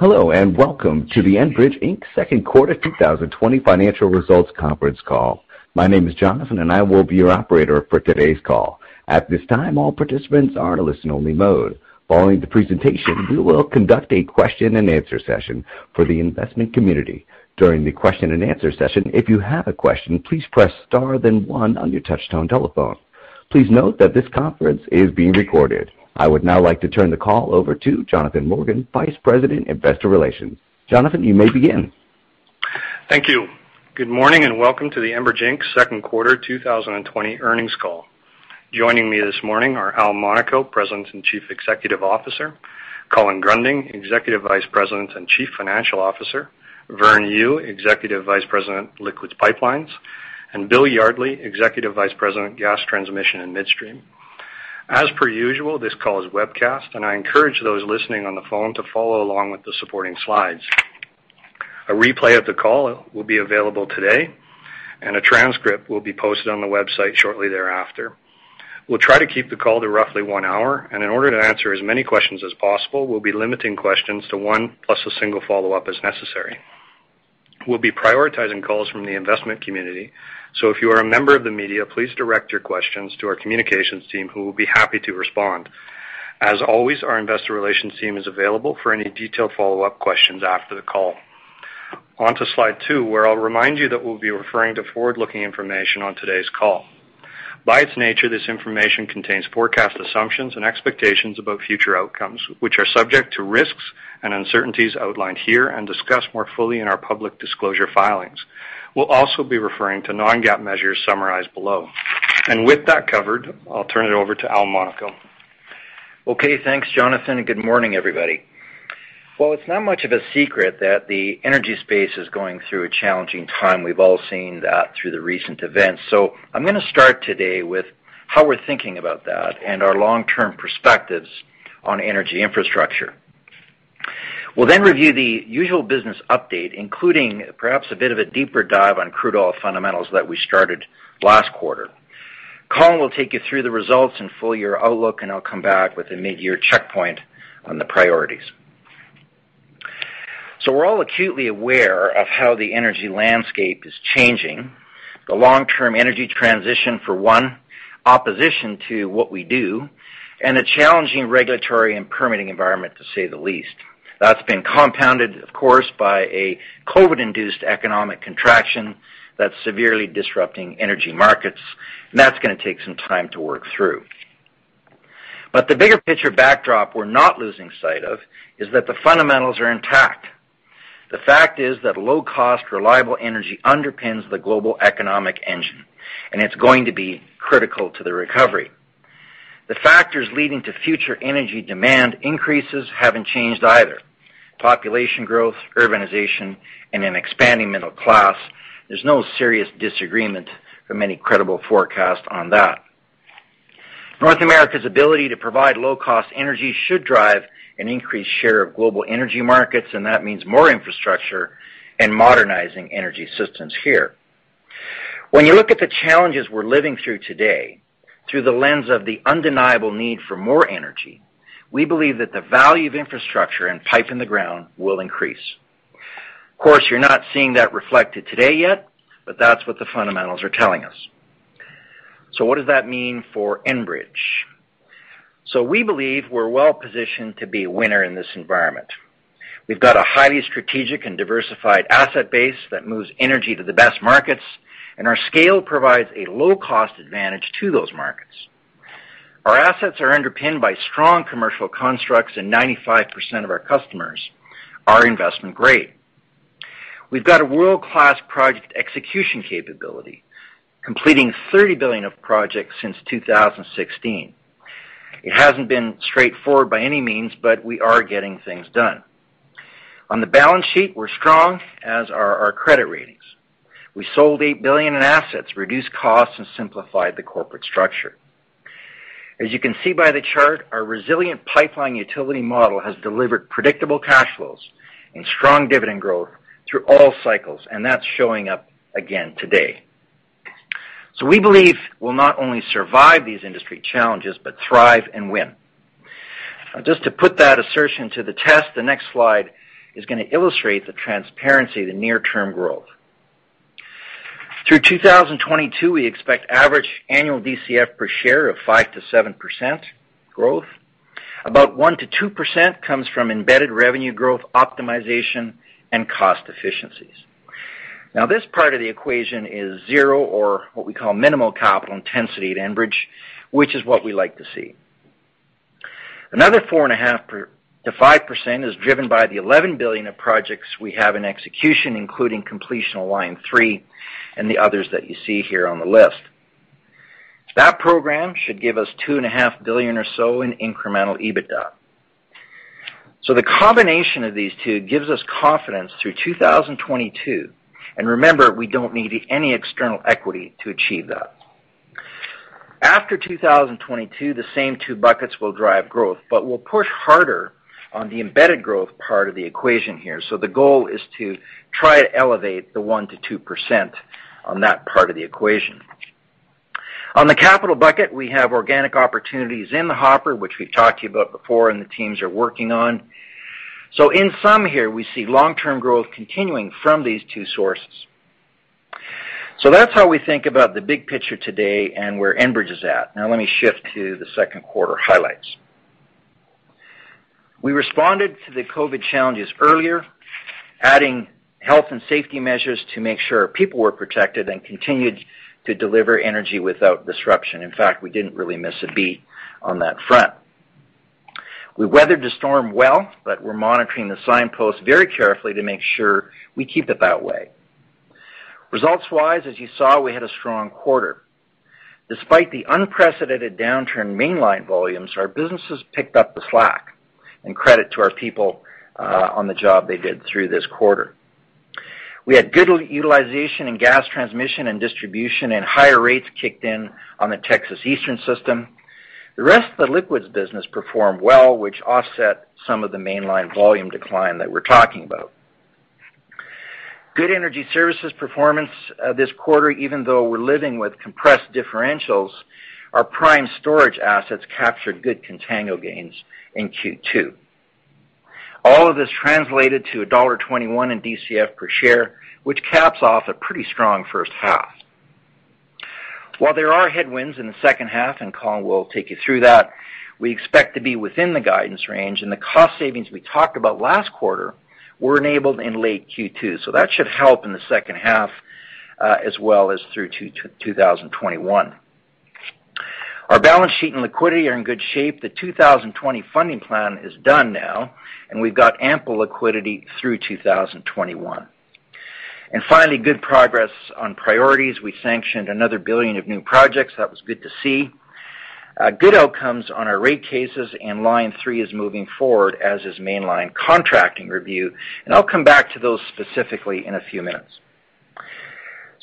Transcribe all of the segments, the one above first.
Hello, welcome to the Enbridge Inc.'s Second Quarter 2020 Financial Results Conference Call. My name is Jonathan, and I will be your operator for today's call. At this time, all participants are in listen-only mode. Following the presentation, we will conduct a question-and-answer session for the investment community. During the question-and-answer session, if you have a question, please press star then one on your touch-tone telephone. Please note that this conference is being recorded. I would now like to turn the call over to Jonathan Morgan, Vice President, Investor Relations. Jonathan, you may begin. Thank you. Good morning and welcome to the Enbridge Inc.'s Second Quarter 2020 Earnings Call. Joining me this morning are Al Monaco, President and Chief Executive Officer, Colin Gruending, Executive Vice President and Chief Financial Officer, Vern Yu, Executive Vice President, Liquids Pipelines, and Bill Yardley, Executive Vice President, Gas Transmission and Midstream. As per usual, this call is webcast, and I encourage those listening on the phone to follow along with the supporting slides. A replay of the call will be available today, and a transcript will be posted on the website shortly thereafter. We'll try to keep the call to roughly one hour, and in order to answer as many questions as possible, we'll be limiting questions to one, plus a single follow-up as necessary. We'll be prioritizing calls from the investment community. If you are a member of the media, please direct your questions to our communications team who will be happy to respond. As always, our investor relations team is available for any detailed follow-up questions after the call. On to slide two, where I'll remind you that we'll be referring to forward-looking information on today's call. By its nature, this information contains forecast assumptions and expectations about future outcomes, which are subject to risks and uncertainties outlined here and discussed more fully in our public disclosure filings. We'll also be referring to non-GAAP measures summarized below. With that covered, I'll turn it over to Al Monaco. Okay, thanks, Jonathan, and good morning, everybody. Well, it's not much of a secret that the energy space is going through a challenging time. We've all seen that through the recent events. I'm going to start today with how we're thinking about that and our long-term perspectives on energy infrastructure. We'll then review the usual business update, including perhaps a bit of a deeper dive on crude oil fundamentals that we started last quarter. Colin will take you through the results and full-year outlook, and I'll come back with a mid-year checkpoint on the priorities. We're all acutely aware of how the energy landscape is changing. The long-term energy transition for one, opposition to what we do, and a challenging regulatory and permitting environment, to say the least. That's been compounded, of course, by a COVID-induced economic contraction that's severely disrupting energy markets, and that's going to take some time to work through. The bigger picture backdrop we're not losing sight of is that the fundamentals are intact. The fact is that low-cost, reliable energy underpins the global economic engine, and it's going to be critical to the recovery. The factors leading to future energy demand increases haven't changed either, population growth, urbanization, and an expanding middle class. There's no serious disagreement from any credible forecast on that. North America's ability to provide low-cost energy should drive an increased share of global energy markets, and that means more infrastructure and modernizing energy systems here. When you look at the challenges we're living through today through the lens of the undeniable need for more energy, we believe that the value of infrastructure and pipe in the ground will increase. Of course, you're not seeing that reflected today yet, but that's what the fundamentals are telling us. What does that mean for Enbridge? We believe we're well-positioned to be a winner in this environment. We've got a highly strategic and diversified asset base that moves energy to the best markets, and our scale provides a low-cost advantage to those markets. Our assets are underpinned by strong commercial constructs, and 95% of our customers are investment-grade. We've got a world-class project execution capability, completing 30 billion of projects since 2016. It hasn't been straightforward by any means, but we are getting things done. On the balance sheet, we're strong, as are our credit ratings. We sold 8 billion in assets, reduced costs, and simplified the corporate structure. As you can see by the chart, our resilient pipeline utility model has delivered predictable cash flows and strong dividend growth through all cycles. That's showing up again today. We believe we'll not only survive these industry challenges but thrive and win. Just to put that assertion to the test, the next slide is going to illustrate the transparency of the near-term growth. Through 2022, we expect average annual DCF per share of 5%-7% growth. About 1%-2% comes from embedded revenue growth optimization and cost efficiencies. This part of the equation is zero or what we call minimal capital intensity at Enbridge, which is what we like to see. Another 4.5%-5% is driven by the 11 billion of projects we have in execution, including completion of Line 3 and the others that you see here on the list. That program should give us 2.5 billion or so in incremental EBITDA. The combination of these two gives us confidence through 2022, and remember, we don't need any external equity to achieve that. After 2022, the same two buckets will drive growth, but we'll push harder on the embedded growth part of the equation here. The goal is to try to elevate the 1%-2% on that part of the equation. On the capital bucket, we have organic opportunities in the hopper, which we've talked to you about before and the teams are working on. In sum here, we see long-term growth continuing from these two sources. That's how we think about the big picture today and where Enbridge is at. Let me shift to the second quarter highlights. We responded to the COVID challenges earlier, adding health and safety measures to make sure our people were protected and continued to deliver energy without disruption. In fact, we didn't really miss a beat on that front. We weathered the storm well, but we're monitoring the signposts very carefully to make sure we keep it that way. Results-wise, as you saw, we had a strong quarter. Despite the unprecedented downturn in mainline volumes, our businesses picked up the slack, and credit to our people on the job they did through this quarter. We had good utilization in gas transmission and distribution, and higher rates kicked in on the Texas Eastern system. The rest of the Liquids Pipelines business performed well, which offset some of the mainline volume decline that we're talking about. Good energy services performance this quarter. Even though we're living with compressed differentials, our prime storage assets captured good contango gains in Q2. All of this translated to dollar 1.21 in DCF per share, which caps off a pretty strong first half. While there are headwinds in the second half, and Colin will take you through that, we expect to be within the guidance range, and the cost savings we talked about last quarter were enabled in late Q2. That should help in the second half, as well as through to 2021. Our balance sheet and liquidity are in good shape. The 2020 funding plan is done now, and we've got ample liquidity through 2021. Finally, good progress on priorities. We sanctioned another 1 billion of new projects. That was good to see. Good outcomes on our rate cases and Line 3 is moving forward, as is Mainline contracting review, and I'll come back to those specifically in a few minutes.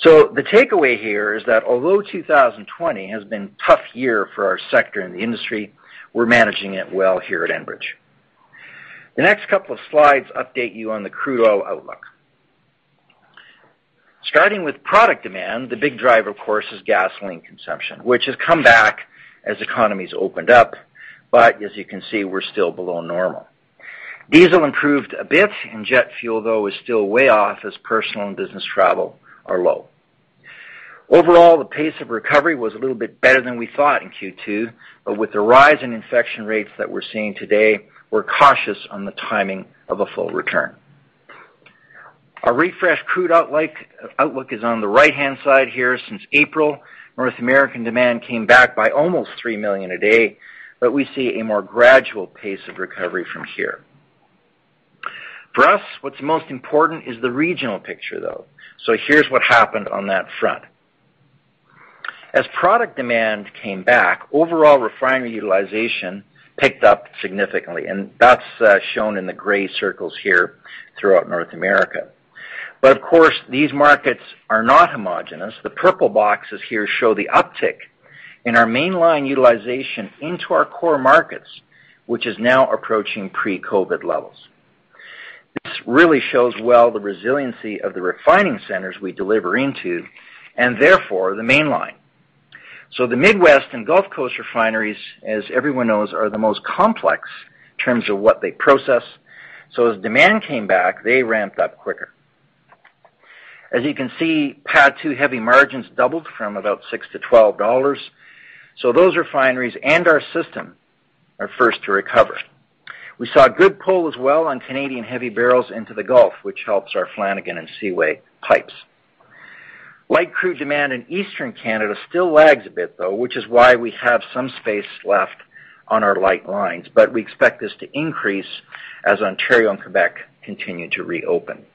The takeaway here is that although 2020 has been a tough year for our sector and the industry, we're managing it well here at Enbridge. The next couple of slides update you on the crude oil outlook. Starting with product demand, the big driver, of course, is gasoline consumption, which has come back as economies opened up. As you can see, we're still below normal. Diesel improved a bit and jet fuel, though, is still way off as personal and business travel are low. Overall, the pace of recovery was a little bit better than we thought in Q2. With the rise in infection rates that we're seeing today, we're cautious on the timing of a full return. Our refreshed crude outlook is on the right-hand side here. Since April, North American demand came back by almost 3 million a day. We see a more gradual pace of recovery from here. For us, what's most important is the regional picture, though. Here's what happened on that front. As product demand came back, overall refinery utilization picked up significantly, and that's shown in the gray circles here throughout North America. Of course, these markets are not homogenous. The purple boxes here show the uptick in our mainline utilization into our core markets, which is now approaching pre-COVID levels. This really shows well the resiliency of the refining centers we deliver into and therefore the mainline. The Midwest and Gulf Coast refineries, as everyone knows, are the most complex in terms of what they process. As demand came back, they ramped up quicker. As you can see, PADD II heavy margins doubled from about 6 to 12 dollars. Those refineries and our system are first to recover. We saw good pull as well on Canadian heavy barrels into the Gulf, which helps our Flanagan and Seaway pipes. Light crude demand in Eastern Canada still lags a bit, though, which is why we have some space left on our light lines, but we expect this to increase as Ontario and Quebec continue to reopen.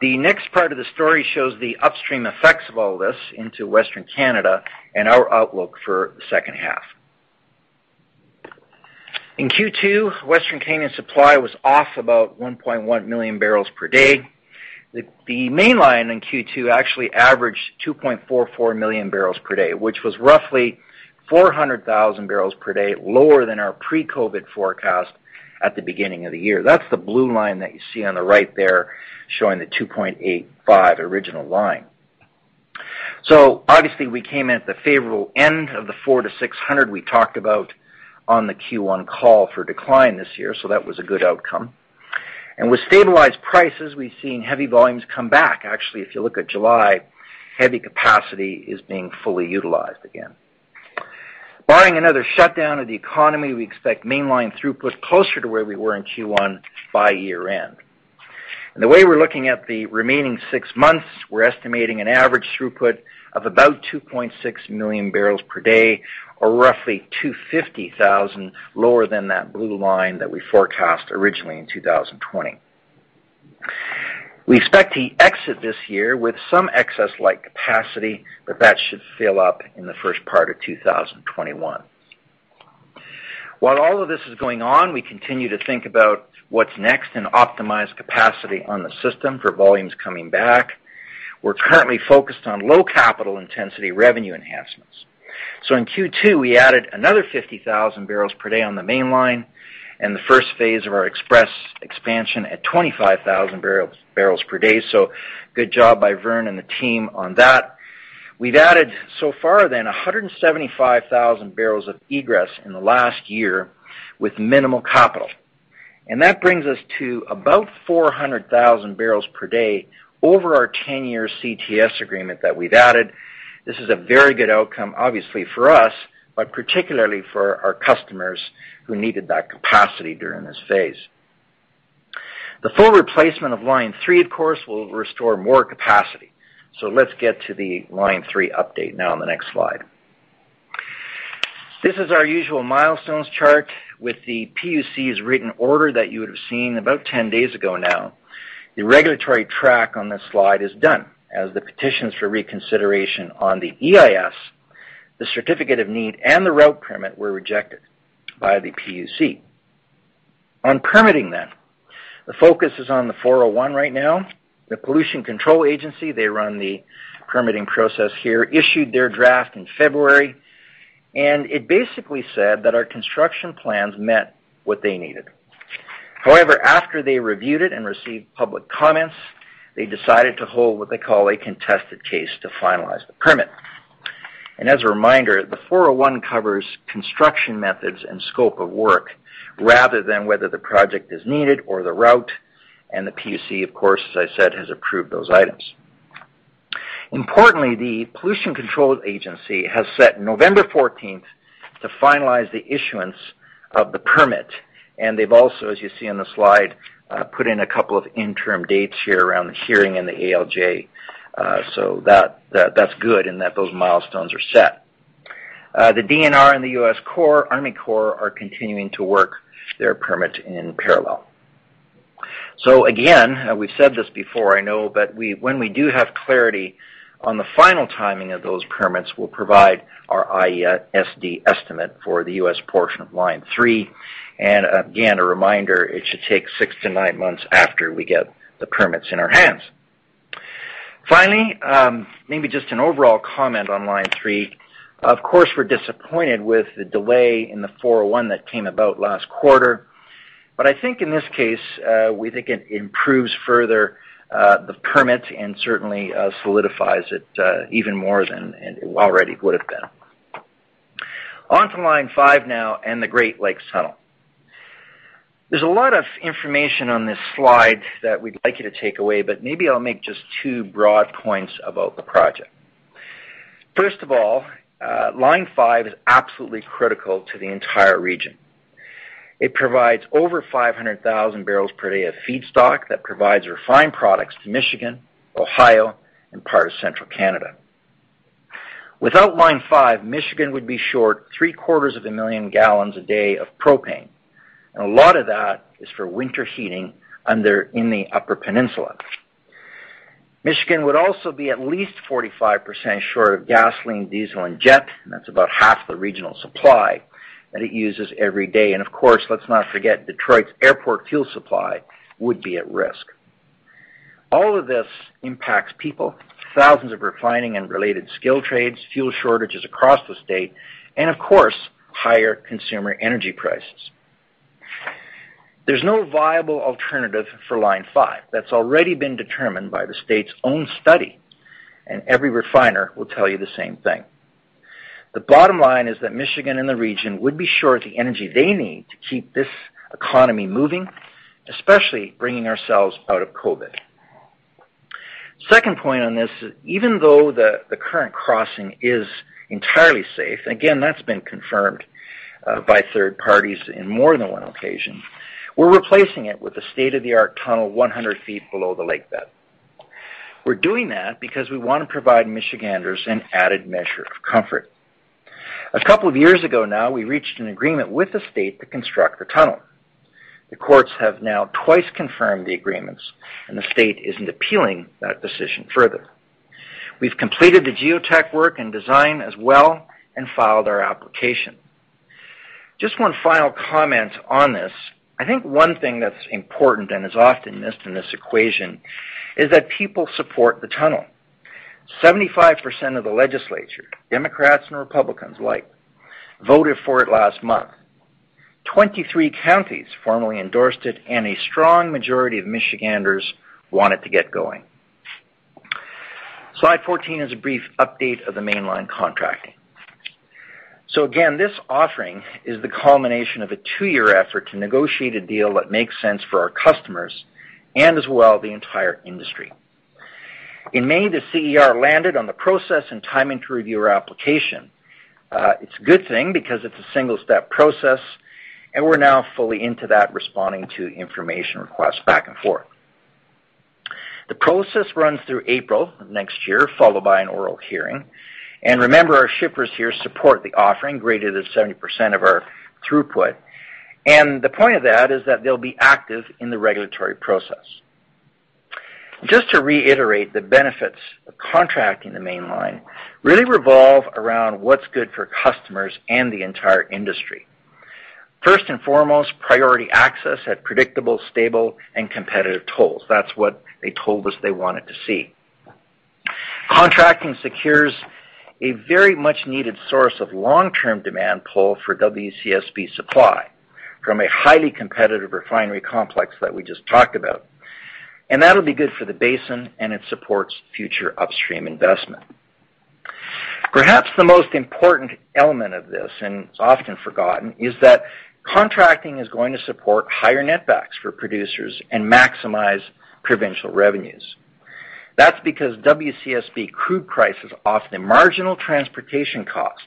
The next part of the story shows the upstream effects of all this into Western Canada and our outlook for the second half. In Q2, Western Canadian supply was off about 1.1 million barrels per day. The mainline in Q2 actually averaged 2.44 million barrels per day, which was roughly 400,000 barrels per day lower than our pre-COVID forecast at the beginning of the year. That's the blue line that you see on the right there, showing the 2.85 original line. Obviously, we came at the favorable end of the four to 600 we talked about on the Q1 call for decline this year, so that was a good outcome. With stabilized prices, we've seen heavy volumes come back. Actually, if you look at July, heavy capacity is being fully utilized again. Barring another shutdown of the economy, we expect mainline throughput closer to where we were in Q1 by year-end. The way we're looking at the remaining six months, we're estimating an average throughput of about 2.6 million barrels per day or roughly 250,000 lower than that blue line that we forecast originally in 2020. We expect to exit this year with some excess light capacity, but that should fill up in the first part of 2021. While all of this is going on, we continue to think about what's next and optimize capacity on the system for volumes coming back. We're currently focused on low capital intensity revenue enhancements. In Q2, we added another 50,000 barrels per day on the Mainline and the first phase of our Express expansion at 25,000 barrels per day. Good job by Vern and the team on that. We've added so far 175,000 barrels of egress in the last year with minimal capital. That brings us to about 400,000 barrels per day over our 10-year CTS agreement that we've added. This is a very good outcome, obviously for us, but particularly for our customers who needed that capacity during this phase. The full replacement of Line 3, of course, will restore more capacity. So let's get to the Line 3 update now on the next slide. This is our usual milestones chart with the PUC's written order that you would've seen about 10 days ago now. The regulatory track on this slide is done as the petitions for reconsideration on the EIS, the certificate of need, and the route permit were rejected by the PUC. On permitting then, the focus is on the 401 right now. The Pollution Control Agency, they run the permitting process here, issued their draft in February. It basically said that our construction plans met what they needed. However, after they reviewed it and received public comments, they decided to hold what they call a contested case to finalize the permit. As a reminder, the 401 covers construction methods and scope of work rather than whether the project is needed or the route. The PUC, of course, as I said, has approved those items. Importantly, the Pollution Control Agency has set November 14th to finalize the issuance of the permit. They've also, as you see on the slide, put in a couple of interim dates here around the hearing and the ALJ. That's good and that those milestones are set. The DNR and the U.S. Army Corps are continuing to work their permit in parallel. Again, we've said this before, I know, but when we do have clarity on the final timing of those permits, we'll provide our ISD estimate for the U.S. portion of Line 3. Again, a reminder, it should take six to nine months after we get the permits in our hands. Finally, maybe just an overall comment on Line 3. Of course, we're disappointed with the delay in the 401 that came about last quarter, I think in this case, we think it improves further, the permit and certainly solidifies it, even more than it already would've been. On to Line 5 now and the Great Lakes Tunnel. There's a lot of information on this slide that we'd like you to take away, maybe I'll make just two broad points about the project. First of all, Line 5 is absolutely critical to the entire region. It provides over 500,000 barrels per day of feedstock that provides refined products to Michigan, Ohio, and part of central Canada. Without Line 5, Michigan would be short three-quarters of a million gallons a day of propane, and a lot of that is for winter heating in the Upper Peninsula. Michigan would also be at least 45% short of gasoline, diesel, and jet, and that's about half the regional supply that it uses every day. Of course, let's not forget, Detroit's airport fuel supply would be at risk. All of this impacts people, thousands of refining and related skill trades, fuel shortages across the state, and of course, higher consumer energy prices. There's no viable alternative for Line 5. That's already been determined by the state's own study, and every refiner will tell you the same thing. The bottom line is that Michigan and the region would be short the energy they need to keep this economy moving, especially bringing ourselves out of COVID. Second point on this is, even though the current crossing is entirely safe, again, that's been confirmed by third parties in more than one occasion, we're replacing it with a state-of-the-art tunnel 100 feet below the lakebed. We're doing that because we want to provide Michiganders an added measure of comfort. A couple of years ago now, we reached an agreement with the state to construct the tunnel. The courts have now twice confirmed the agreements, and the state isn't appealing that decision further. We've completed the geotech work and design as well and filed our application. Just one final comment on this. I think one thing that's important and is often missed in this equation is that people support the tunnel. 75% of the legislature, Democrats and Republicans alike, voted for it last month. 23 counties formally endorsed it, and a strong majority of Michiganders want it to get going. Slide 14 is a brief update of the mainline contracting. Again, this offering is the culmination of a two-year effort to negotiate a deal that makes sense for our customers and as well, the entire industry. In May, the CER landed on the process and timing to review our application. It's a good thing because it's a single step process, and we're now fully into that, responding to information requests back and forth. The process runs through April next year, followed by an oral hearing. Remember, our shippers here support the offering, greater than 70% of our throughput. The point of that is that they'll be active in the regulatory process. Just to reiterate, the benefits of contracting the mainline really revolve around what's good for customers and the entire industry. First and foremost, priority access at predictable, stable, and competitive tolls. That's what they told us they wanted to see. Contracting secures a very much needed source of long-term demand pull for WCSB supply from a highly competitive refinery complex that we just talked about. That'll be good for the basin, and it supports future upstream investment. Perhaps the most important element of this, and it's often forgotten, is that contracting is going to support higher net backs for producers and maximize provincial revenues. That's because WCSB crude price is often the marginal transportation cost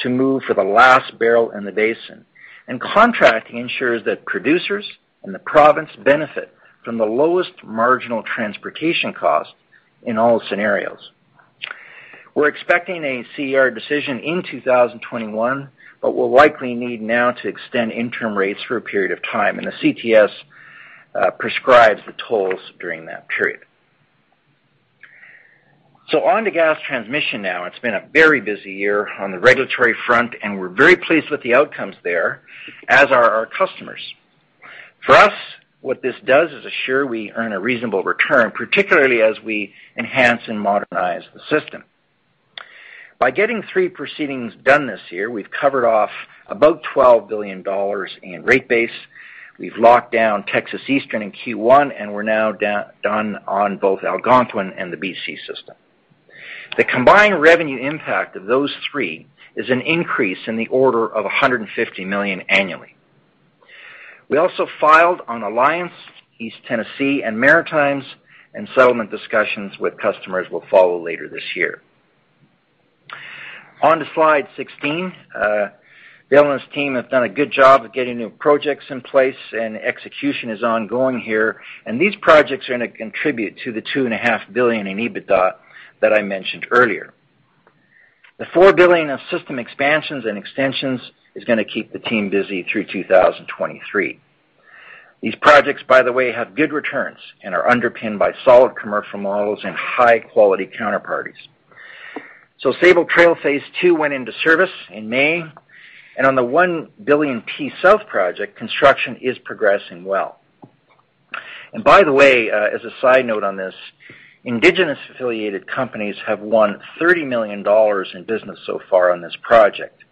to move for the last barrel in the basin, and contracting ensures that producers and the province benefit from the lowest marginal transportation cost in all scenarios. We're expecting a CER decision in 2021, we'll likely need now to extend interim rates for a period of time, and the CTS prescribes the tolls during that period. On to gas transmission now. It's been a very busy year on the regulatory front, and we're very pleased with the outcomes there, as are our customers. For us, what this does is assure we earn a reasonable return, particularly as we enhance and modernize the system. By getting three proceedings done this year, we've covered off about 12 billion dollars in rate base. We've locked down Texas Eastern in Q1, and we're now done on both Algonquin and the BC system. The combined revenue impact of those three is an increase in the order of 150 million annually. We also filed on Alliance, East Tennessee, and Maritimes, and settlement discussions with customers will follow later this year. On to slide 16. Bill and his team have done a good job of getting new projects in place and execution is ongoing here, and these projects are going to contribute to the $2.5 billion in EBITDA that I mentioned earlier. The $4 billion of system expansions and extensions is going to keep the team busy through 2023. These projects, by the way, have good returns and are underpinned by solid commercial models and high-quality counterparties. Sabal Trail phase II went into service in May, and on the $1 billion T-South project, construction is progressing well. By the way, as a side note on this, indigenous-affiliated companies have won $30 million in business so far on this project.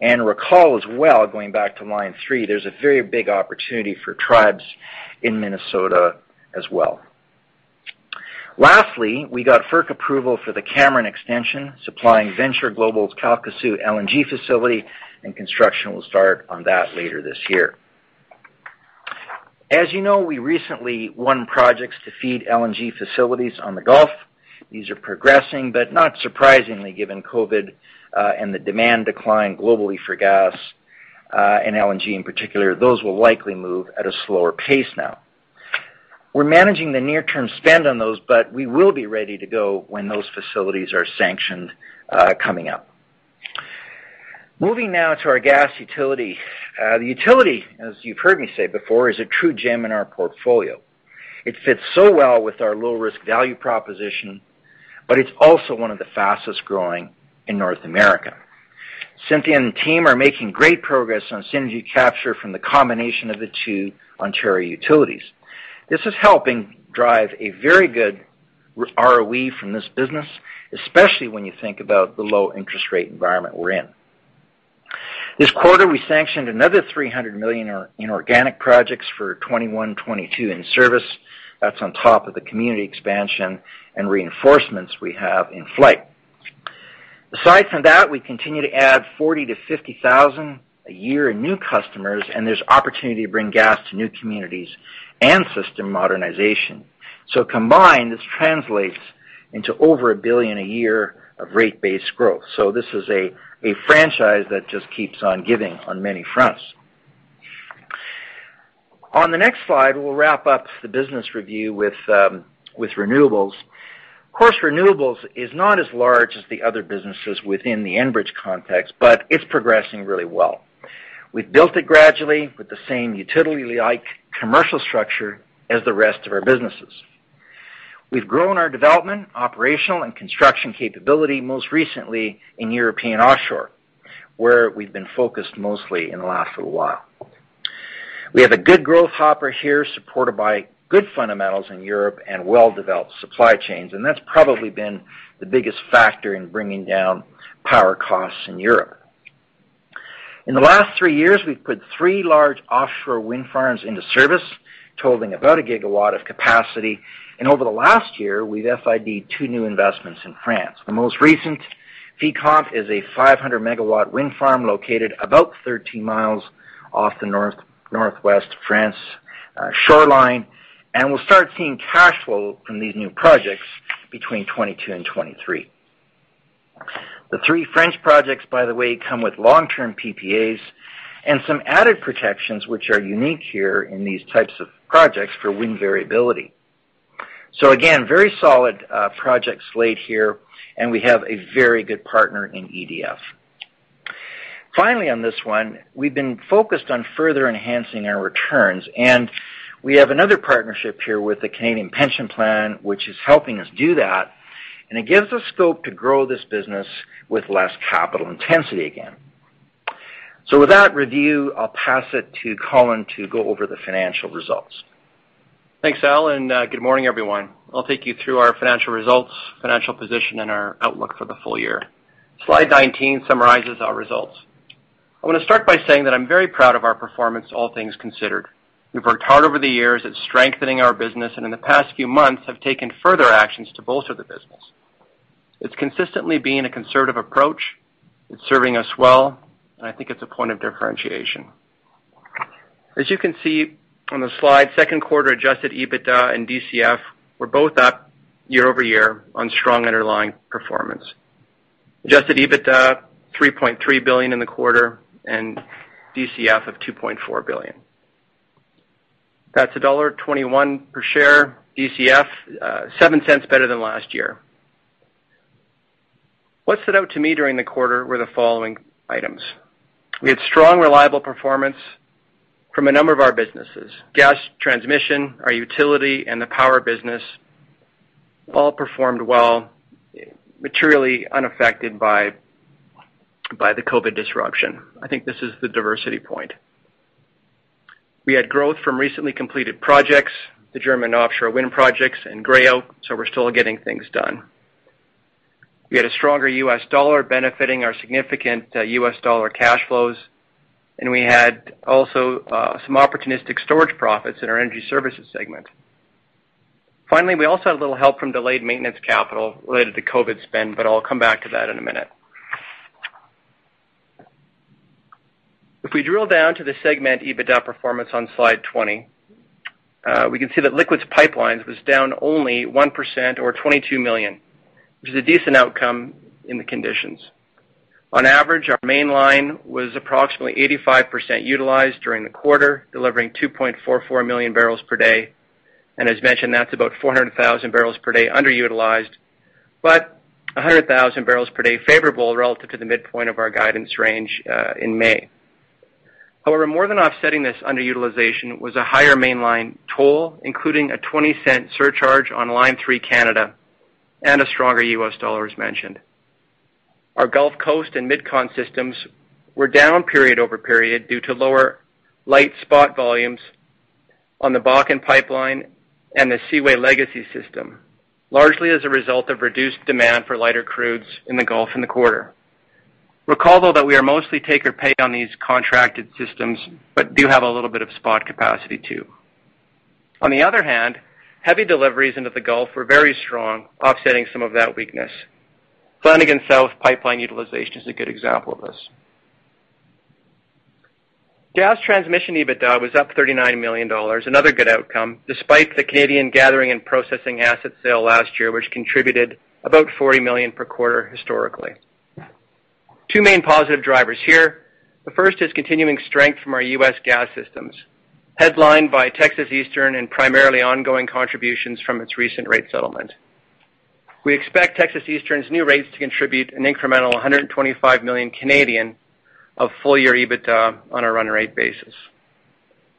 Recall as well, going back to Line 3, there's a very big opportunity for tribes in Minnesota as well. We got FERC approval for the Cameron extension, supplying Venture Global's Calcasieu LNG facility, and construction will start on that later this year. As you know, we recently won projects to feed LNG facilities on the Gulf. These are progressing, not surprisingly given COVID and the demand decline globally for gas, and LNG in particular, those will likely move at a slower pace now. We're managing the near-term spend on those, we will be ready to go when those facilities are sanctioned coming up. Moving now to our gas utility. The utility, as you've heard me say before, is a true gem in our portfolio. It fits so well with our low-risk value proposition, it's also one of the fastest-growing in North America. Cynthia and the team are making great progress on synergy capture from the combination of the two Ontario utilities. This is helping drive a very good ROE from this business, especially when you think about the low-interest rate environment we're in. This quarter, we sanctioned another 300 million in organic projects for 2021, 2022 in service. That's on top of the community expansion and reinforcements we have in flight. Aside from that, we continue to add 40,000 to 50,000 a year in new customers, and there's opportunity to bring gas to new communities and system modernization. Combined, this translates into over 1 billion a year of rate base growth. This is a franchise that just keeps on giving on many fronts. On the next slide, we'll wrap up the business review with renewables. Of course, renewables is not as large as the other businesses within the Enbridge context, but it's progressing really well. We've built it gradually with the same utility-like commercial structure as the rest of our businesses. We've grown our development, operational, and construction capability, most recently in European offshore, where we've been focused mostly in the last little while. We have a good growth hopper here, supported by good fundamentals in Europe and well-developed supply chains, and that's probably been the biggest factor in bringing down power costs in Europe. In the last three years, we've put three large offshore wind farms into service, totaling about a gigawatt of capacity. Over the last year, we've FID-ed two new investments in France. The most recent, Fécamp, is a 500-megawatt wind farm located about 13 miles off the northwest France shoreline, and we'll start seeing cash flow from these new projects between 2022 and 2023. The three French projects, by the way, come with long-term PPAs and some added protections, which are unique here in these types of projects for wind variability. Again, very solid project slate here, and we have a very good partner in EDF. Finally on this one, we've been focused on further enhancing our returns, and we have another partnership here with the Canada Pension Plan, which is helping us do that. It gives us scope to grow this business with less capital intensity again. With that review, I'll pass it to Colin to go over the financial results. Thanks, Al, and good morning, everyone. I'll take you through our financial results, financial position, and our outlook for the full year. Slide 19 summarizes our results. I want to start by saying that I'm very proud of our performance, all things considered. We've worked hard over the years at strengthening our business, and in the past few months have taken further actions to bolster the business. It's consistently been a conservative approach. It's serving us well, and I think it's a point of differentiation. As you can see on the slide, second quarter adjusted EBITDA and DCF were both up year-over-year on strong underlying performance. Adjusted EBITDA, 3.3 billion in the quarter and DCF of 2.4 billion. That's a dollar 1.21 per share DCF, 0.07 better than last year. What stood out to me during the quarter were the following items. We had strong, reliable performance from a number of our businesses. Gas Transmission, our utility, and the power business all performed well, materially unaffected by the COVID disruption. I think this is the diversity point. We had growth from recently completed projects, the German offshore wind projects and Gray Oak, we're still getting things done. We had a stronger US dollar benefiting our significant US dollar cash flows, we had also some opportunistic storage profits in our energy services segment. Finally, we also had a little help from delayed maintenance capital related to COVID spend, but I'll come back to that in a minute. If we drill down to the segment EBITDA performance on Slide 20, we can see that Liquids Pipelines was down only 1% or 22 million, which is a decent outcome in the conditions. On average, our mainline was approximately 85% utilized during the quarter, delivering 2.44 million barrels per day. As mentioned, that's about 400,000 barrels per day underutilized, but 100,000 barrels per day favorable relative to the midpoint of our guidance range in May. However, more than offsetting this underutilization was a higher mainline toll, including a 0.20 surcharge on Line 3 Canada and a stronger US dollar, as mentioned. Our Gulf Coast and MidCon systems were down period-over-period due to lower light spot volumes on the Bakken pipeline and the Seaway Legacy system, largely as a result of reduced demand for lighter crudes in the Gulf in the quarter. Recall, though, that we are mostly take or pay on these contracted systems, but do have a little bit of spot capacity, too. On the other hand, heavy deliveries into the Gulf were very strong, offsetting some of that weakness. Flanagan South Pipeline utilization is a good example of this. Gas Transmission EBITDA was up 39 million dollars, another good outcome, despite the Canadian gathering and processing asset sale last year, which contributed about 40 million per quarter historically. Two main positive drivers here. The first is continuing strength from our U.S. gas systems, headlined by Texas Eastern and primarily ongoing contributions from its recent rate settlement. We expect Texas Eastern's new rates to contribute an incremental 125 million of full-year EBITDA on a run-rate basis.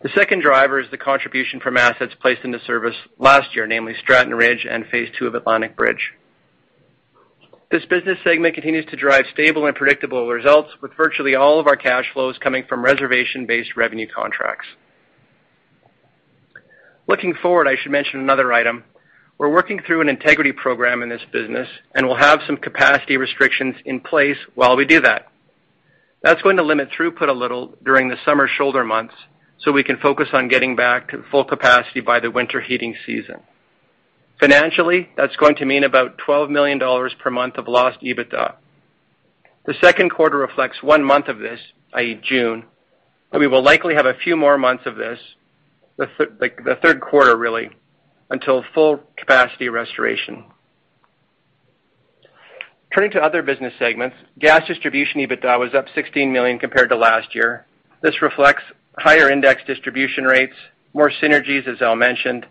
The second driver is the contribution from assets placed into service last year, namely Stratton Ridge and phase II of Atlantic Bridge. This business segment continues to drive stable and predictable results, with virtually all of our cash flows coming from reservation-based revenue contracts. Looking forward, I should mention another item. We're working through an integrity program in this business, and we'll have some capacity restrictions in place while we do that. That's going to limit throughput a little during the summer shoulder months so we can focus on getting back to full capacity by the winter heating season. Financially, that's going to mean about 12 million dollars per month of lost EBITDA. The second quarter reflects one month of this, i.e. June, and we will likely have a few more months of this, the third quarter really, until full capacity restoration. Turning to other business segments, Gas Distribution EBITDA was up 16 million compared to last year. This reflects higher index distribution rates, more synergies, as Al mentioned,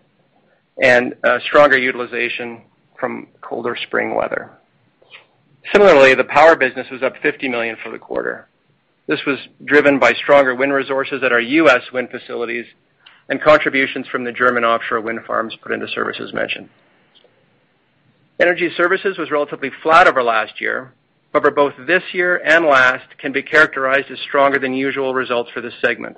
and stronger utilization from colder spring weather. Similarly, the power business was up 50 million for the quarter. This was driven by stronger wind resources at our U.S. wind facilities and contributions from the German offshore wind farms put into service, as mentioned. Energy services was relatively flat over last year. Both this year and last can be characterized as stronger than usual results for this segment.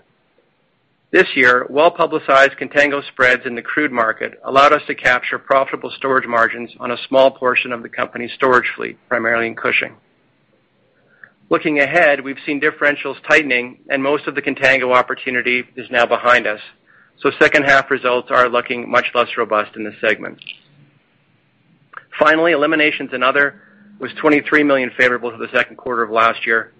This year, well-publicized contango spreads in the crude market allowed us to capture profitable storage margins on a small portion of the company's storage fleet, primarily in Cushing. Looking ahead, we've seen differentials tightening and most of the contango opportunity is now behind us. Second half results are looking much less robust in this segment. Finally, eliminations and other was 23 million favorable to the second quarter of last year.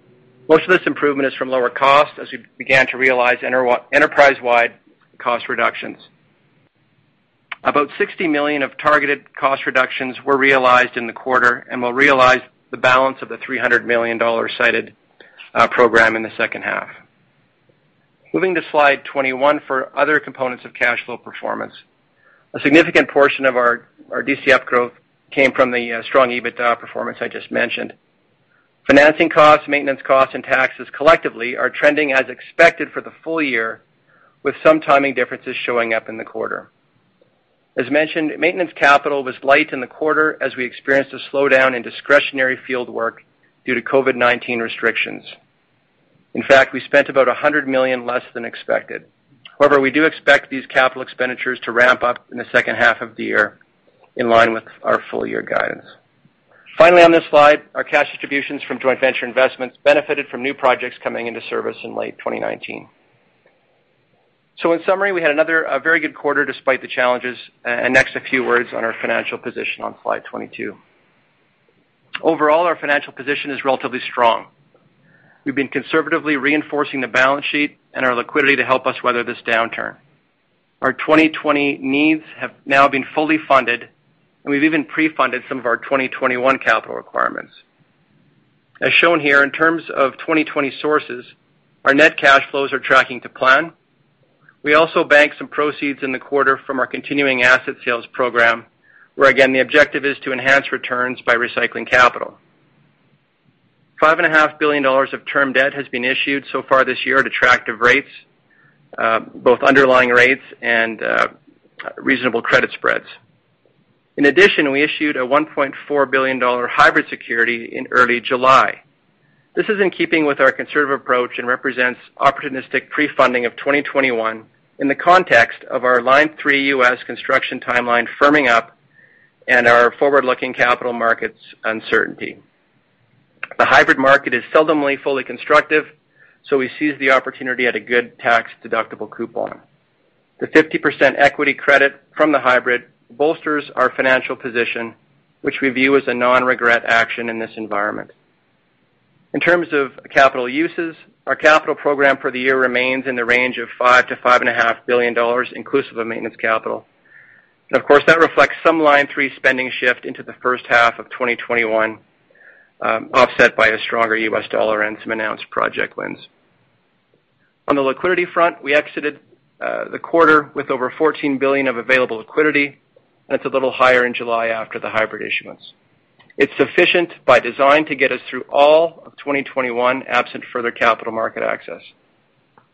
Most of this improvement is from lower costs as we began to realize enterprise-wide cost reductions. About 60 million of targeted cost reductions were realized in the quarter. We'll realize the balance of the 300 million dollar cited program in the second half. Moving to Slide 21 for other components of cash flow performance. A significant portion of our DCF growth came from the strong EBITDA performance I just mentioned. Financing costs, maintenance costs, and taxes collectively are trending as expected for the full year, with some timing differences showing up in the quarter. As mentioned, maintenance capital was light in the quarter as we experienced a slowdown in discretionary field work due to COVID-19 restrictions. In fact, we spent about 100 million less than expected. We do expect these capital expenditures to ramp up in the second half of the year, in line with our full-year guidance. On this slide, our cash distributions from joint venture investments benefited from new projects coming into service in late 2019. In summary, we had another very good quarter despite the challenges. Next, a few words on our financial position on slide 22. Overall, our financial position is relatively strong. We've been conservatively reinforcing the balance sheet and our liquidity to help us weather this downturn. Our 2020 needs have now been fully funded, and we've even pre-funded some of our 2021 capital requirements. As shown here, in terms of 2020 sources, our net cash flows are tracking to plan. We also banked some proceeds in the quarter from our continuing asset sales program, where again, the objective is to enhance returns by recycling capital. 5.5 billion dollars of term debt has been issued so far this year at attractive rates, both underlying rates and reasonable credit spreads. In addition, we issued a 1.4 billion dollar hybrid security in early July. This is in keeping with our conservative approach and represents opportunistic pre-funding of 2021 in the context of our Line 3 U.S. construction timeline firming up and our forward-looking capital markets uncertainty. The hybrid market is seldomly fully constructive, we seized the opportunity at a good tax-deductible coupon. The 50% equity credit from the hybrid bolsters our financial position, which we view as a non-regret action in this environment. In terms of capital uses, our capital program for the year remains in the range of 5 billion-5.5 billion dollars, inclusive of maintenance capital. Of course, that reflects some Line 3 spending shift into the first half of 2021, offset by a stronger US dollar and some announced project wins. On the liquidity front, we exited the quarter with over CAD 14 billion of available liquidity, and it's a little higher in July after the hybrid issuance. It's sufficient by design to get us through all of 2021, absent further capital market access.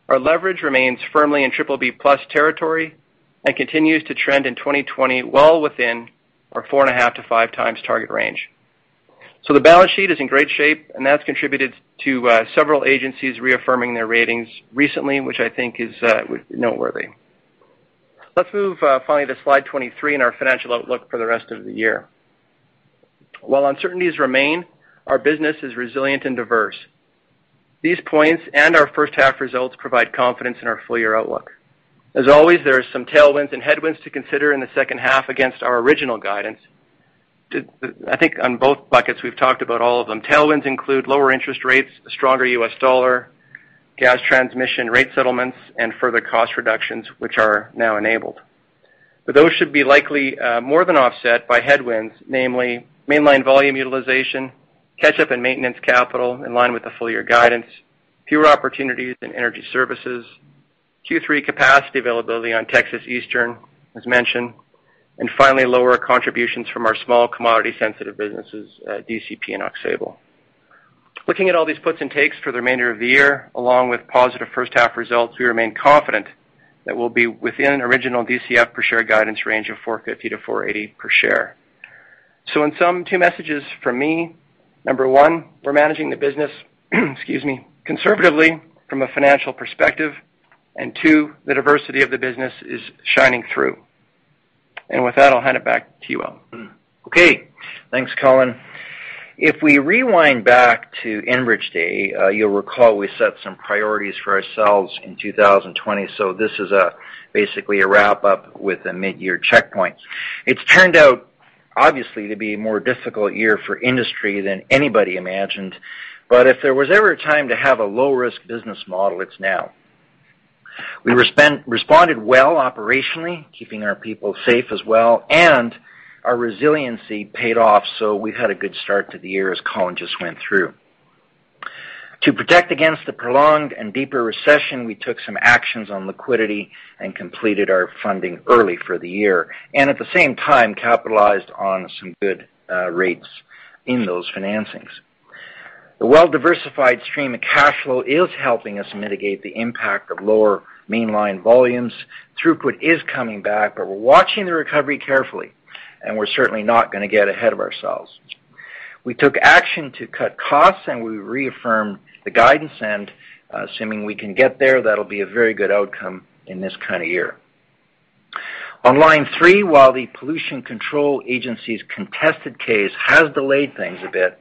Our leverage remains firmly in BBB+ territory and continues to trend in 2020, well within our 4.5 to five times target range. The balance sheet is in great shape, and that's contributed to several agencies reaffirming their ratings recently, which I think is noteworthy. Let's move finally to slide 23 and our financial outlook for the rest of the year. While uncertainties remain, our business is resilient and diverse. These points and our first-half results provide confidence in our full-year outlook. As always, there are some tailwinds and headwinds to consider in the second half against our original guidance. I think on both buckets, we've talked about all of them. Tailwinds include lower interest rates, a stronger US dollar, gas transmission rate settlements, and further cost reductions, which are now enabled. Those should be likely more than offset by headwinds, namely mainline volume utilization, catch-up and maintenance capital in line with the full-year guidance, fewer opportunities in energy services, Q3 capacity availability on Texas Eastern, as mentioned, and finally, lower contributions from our small commodity-sensitive businesses, DCP and Aux Sable. Looking at all these puts and takes for the remainder of the year, along with positive first-half results, we remain confident that we'll be within original DCF per share guidance range of 4.50-4.80 per share. In sum, two messages from me. Number one, we're managing the business, excuse me, conservatively from a financial perspective. Two, the diversity of the business is shining through. With that, I'll hand it back to you, Al. Okay. Thanks, Colin. If we rewind back to Enbridge Day, you'll recall we set some priorities for ourselves in 2020. This is basically a wrap-up with the mid-year checkpoints. It's turned out, obviously, to be a more difficult year for industry than anybody imagined. If there was ever a time to have a low-risk business model, it's now. We responded well operationally, keeping our people safe as well, and our resiliency paid off. We've had a good start to the year, as Colin just went through. To protect against the prolonged and deeper recession, we took some actions on liquidity and completed our funding early for the year and at the same time capitalized on some good rates in those financings. The well-diversified stream of cash flow is helping us mitigate the impact of lower mainline volumes. Throughput is coming back, but we're watching the recovery carefully, and we're certainly not going to get ahead of ourselves. We took action to cut costs, and we reaffirmed the guidance and assuming we can get there, that'll be a very good outcome in this kind of year. On Line 3, while the Minnesota Pollution Control Agency's contested case has delayed things a bit,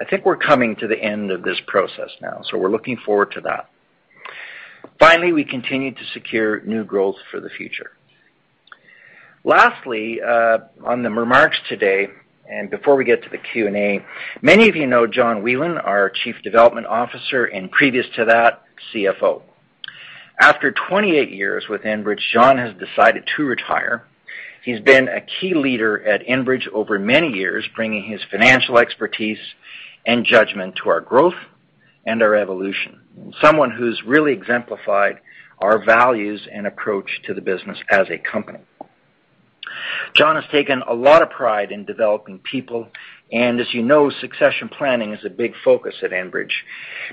I think we're coming to the end of this process now, so we're looking forward to that. Finally, we continue to secure new growth for the future. Lastly, on the remarks today, and before we get to the Q&A, many of you know John Whelen, our Chief Development Officer, and previous to that, CFO. After 28 years with Enbridge, John has decided to retire. He's been a key leader at Enbridge over many years, bringing his financial expertise and judgment to our growth and our evolution. Someone who's really exemplified our values and approach to the business as a company. John has taken a lot of pride in developing people, and as you know, succession planning is a big focus at Enbridge.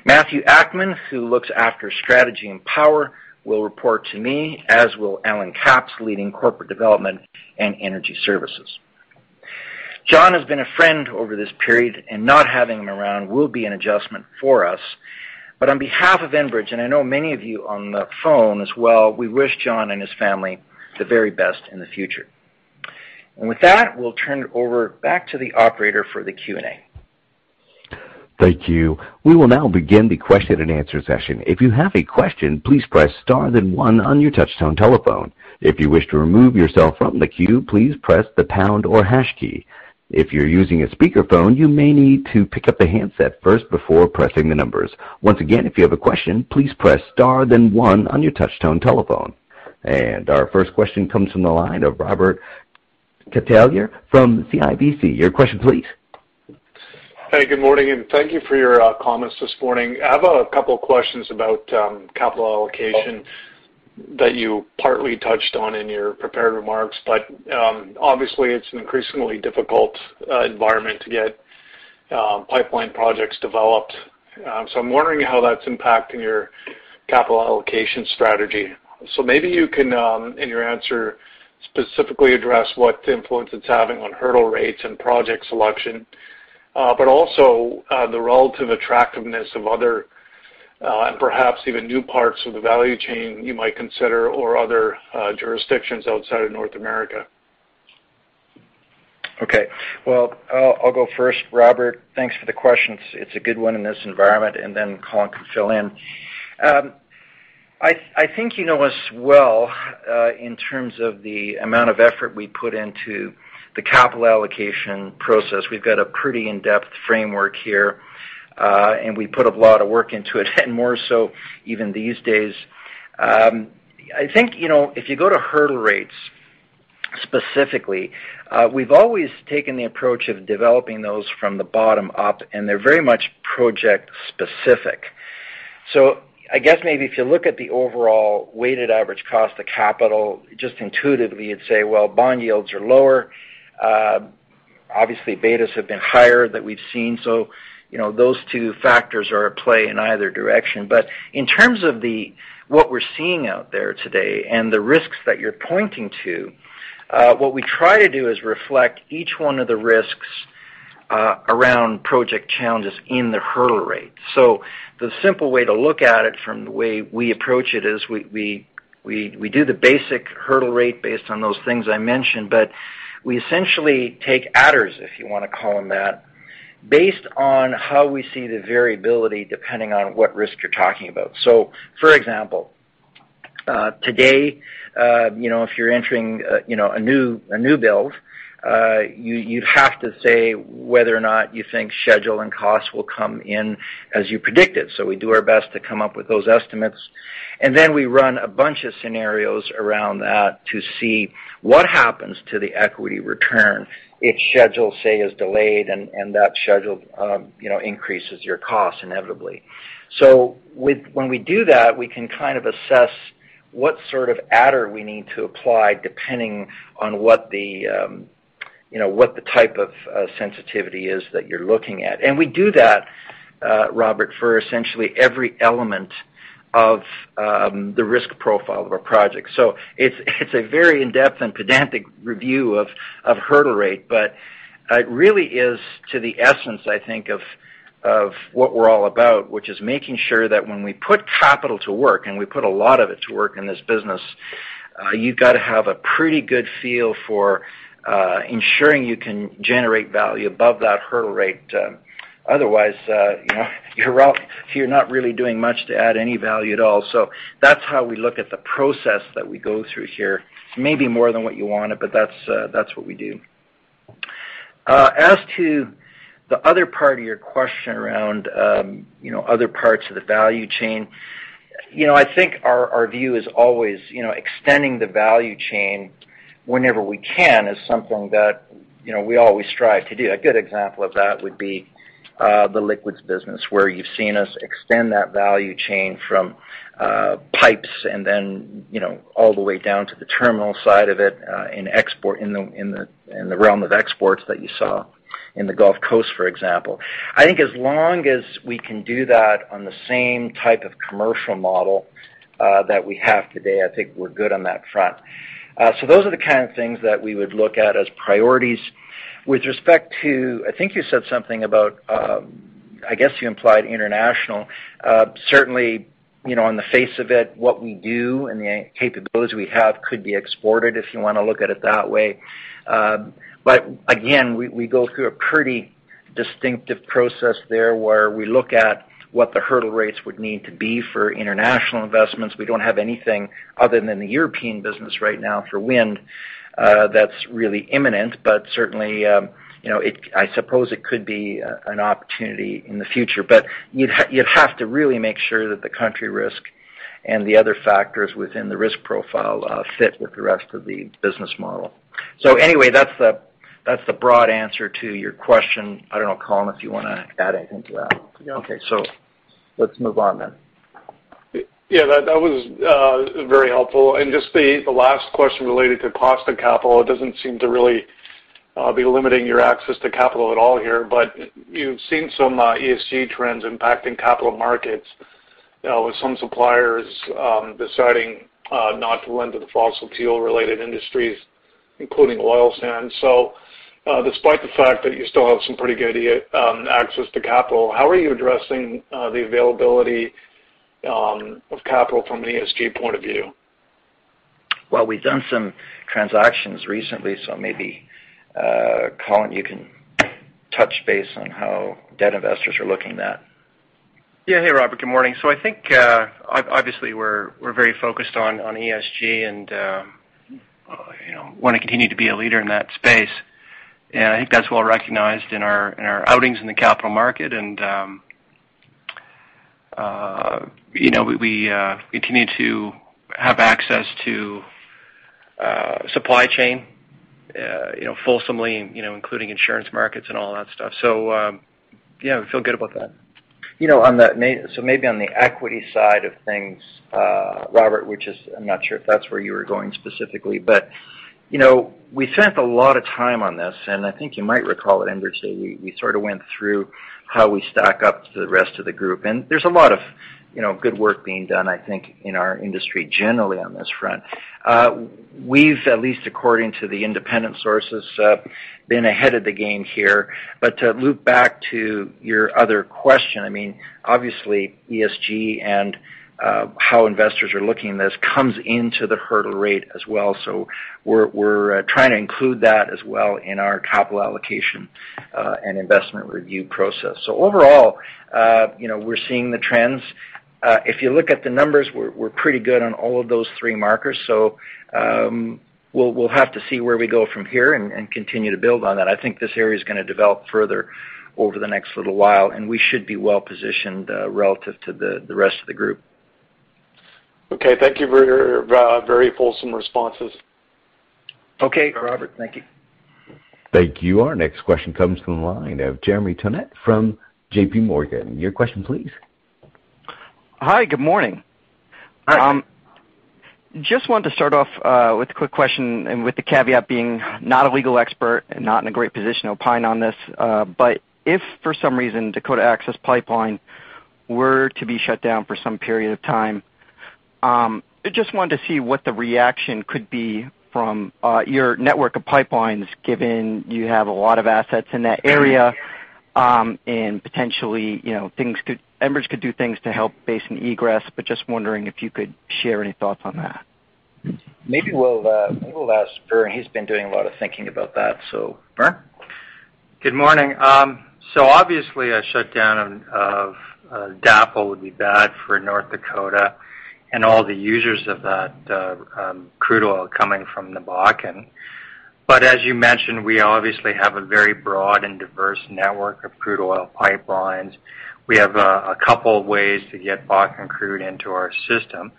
Matthew Akman, who looks after strategy and power, will report to me, as will Allen Capps, leading corporate development and energy services. John has been a friend over this period. Not having him around will be an adjustment for us. On behalf of Enbridge, and I know many of you on the phone as well, we wish John and his family the very best in the future. With that, we'll turn it over back to the operator for the Q&A. Thank you. We will now begin the question-and-answer session. If you have a question, please press star then one on your touchtone telephone. If you wish to remove yourself from the queue, please press the pound or hash key. If you're using a speakerphone, you may need to pick up the handset first before pressing the numbers. Once again, if you have a question, please press star then one on your touchtone telephone. Our first question comes from the line of Robert Catellier from CIBC. Your question please. Hey, good morning, and thank you for your comments this morning. I have a couple questions about capital allocation that you partly touched on in your prepared remarks. Obviously it's an increasingly difficult environment to get pipeline projects developed. I'm wondering how that's impacting your capital allocation strategy. Maybe you can, in your answer, specifically address what influence it's having on hurdle rates and project selection. Also, the relative attractiveness of other, and perhaps even new parts of the value chain you might consider or other jurisdictions outside of North America. Okay. Well, I'll go first, Robert. Thanks for the question. It's a good one in this environment, then Colin can fill-in. I think you know us well, in terms of the amount of effort we put into the capital allocation process. We've got a pretty in-depth framework here. We put a lot of work into it, and more so even these days. I think, if you go to hurdle rates specifically, we've always taken the approach of developing those from the bottom up, and they're very much project-specific. I guess maybe if you look at the overall weighted average cost of capital, just intuitively you'd say, well, bond yields are lower. Obviously, betas have been higher than we've seen. Those two factors are at play in either direction. In terms of what we're seeing out there today and the risks that you're pointing to, what we try to do is reflect each one of the risks around project challenges in the hurdle rate. The simple way to look at it from the way we approach it is we do the basic hurdle rate based on those things I mentioned, but we essentially take adders, if you want to call them that, based on how we see the variability, depending on what risk you're talking about. For example, today, if you're entering a new build, you'd have to say whether or not you think schedule and cost will come in as you predicted. We do our best to come up with those estimates, and then we run a bunch of scenarios around that to see what happens to the equity return if schedule, say, is delayed and that schedule increases your cost inevitably. When we do that, we can assess what sort of adder we need to apply depending on what the type of sensitivity is that you're looking at. We do that, Robert, for essentially every element of the risk profile of a project. It's a very in-depth and pedantic review of hurdle rate, but it really is to the essence, I think, of what we're all about, which is making sure that when we put capital to work, and we put a lot of it to work in this business, you've got to have a pretty good feel for ensuring you can generate value above that hurdle rate. Otherwise, you're not really doing much to add any value at all. That's how we look at the process that we go through here. It's maybe more than what you wanted, but that's what we do. As to the other part of your question around other parts of the value chain, I think our view is always extending the value chain whenever we can is something that we always strive to do. A good example of that would be the liquids business, where you've seen us extend that value chain from pipes and then all the way down to the terminal side of it in the realm of exports that you saw in the Gulf Coast, for example. I think as long as we can do that on the same type of commercial model that we have today, I think we're good on that front. Those are the kind of things that we would look at as priorities. With respect to, I think you said something about, I guess you implied international. Certainly, on the face of it, what we do and the capabilities we have could be exported if you want to look at it that way. Again, we go through a pretty distinctive process there, where we look at what the hurdle rates would need to be for international investments. We don't have anything other than the European business right now for wind that's really imminent, but certainly, I suppose it could be an opportunity in the future. You'd have to really make sure that the country risk and the other factors within the risk profile fit with the rest of the business model. Anyway, that's the broad answer to your question. I don't know, Colin, if you want to add anything to that. No. Okay. Let's move on then. Yeah, that was very helpful. Just the last question related to cost of capital. It doesn't seem to really be limiting your access to capital at all here, but you've seen some ESG trends impacting capital markets with some suppliers deciding not to lend to the fossil fuel-related industries, including oil sands. Despite the fact that you still have some pretty good access to capital, how are you addressing the availability of capital from an ESG point of view? Well, we've done some transactions recently, so maybe, Colin, you can touch base on how debt investors are looking at that. Yeah. Hey, Robert. Good morning. I think, obviously, we're very focused on ESG and want to continue to be a leader in that space. I think that's well-recognized in our outings in the capital market, and we continue to have access to supply chain, fulsomely, including insurance markets and all that stuff. Yeah, we feel good about that. Maybe on the equity side of things, Robert, which is, I'm not sure if that's where you were going specifically, but we spent a lot of time on this, and I think you might recall at Enbridge Day, we sort of went through how we stack up to the rest of the group. There's a lot of good work being done, I think, in our industry generally on this front. To loop back to your other question, obviously, ESG and how investors are looking at this comes into the hurdle rate as well. We're trying to include that as well in our capital allocation and investment review process. Overall, we're seeing the trends. If you look at the numbers, we're pretty good on all of those three markers. We'll have to see where we go from here and continue to build on that. I think this area is going to develop further over the next little while, and we should be well-positioned relative to the rest of the group. Okay. Thank you for your very fulsome responses. Okay, Robert. Thank you. Thank you. Our next question comes from the line of Jeremy Tonet from JPMorgan. Your question, please. Hi, good morning. Hi. Just wanted to start off with a quick question with the caveat being not a legal expert and not in a great position to opine on this. If for some reason Dakota Access Pipeline were to be shut down for some period of time, I just wanted to see what the reaction could be from your network of pipelines, given you have a lot of assets in that area, and potentially, Enbridge could do things to help basin egress, but just wondering if you could share any thoughts on that. Maybe we'll ask Vern. He's been doing a lot of thinking about that. Vern? Good morning. Obviously a shutdown of DAPL would be bad for North Dakota and all the users of that crude oil coming from the Bakken. As you mentioned, we obviously have a very broad and diverse network of crude oil pipelines. We have a couple of ways to get Bakken crude into our system.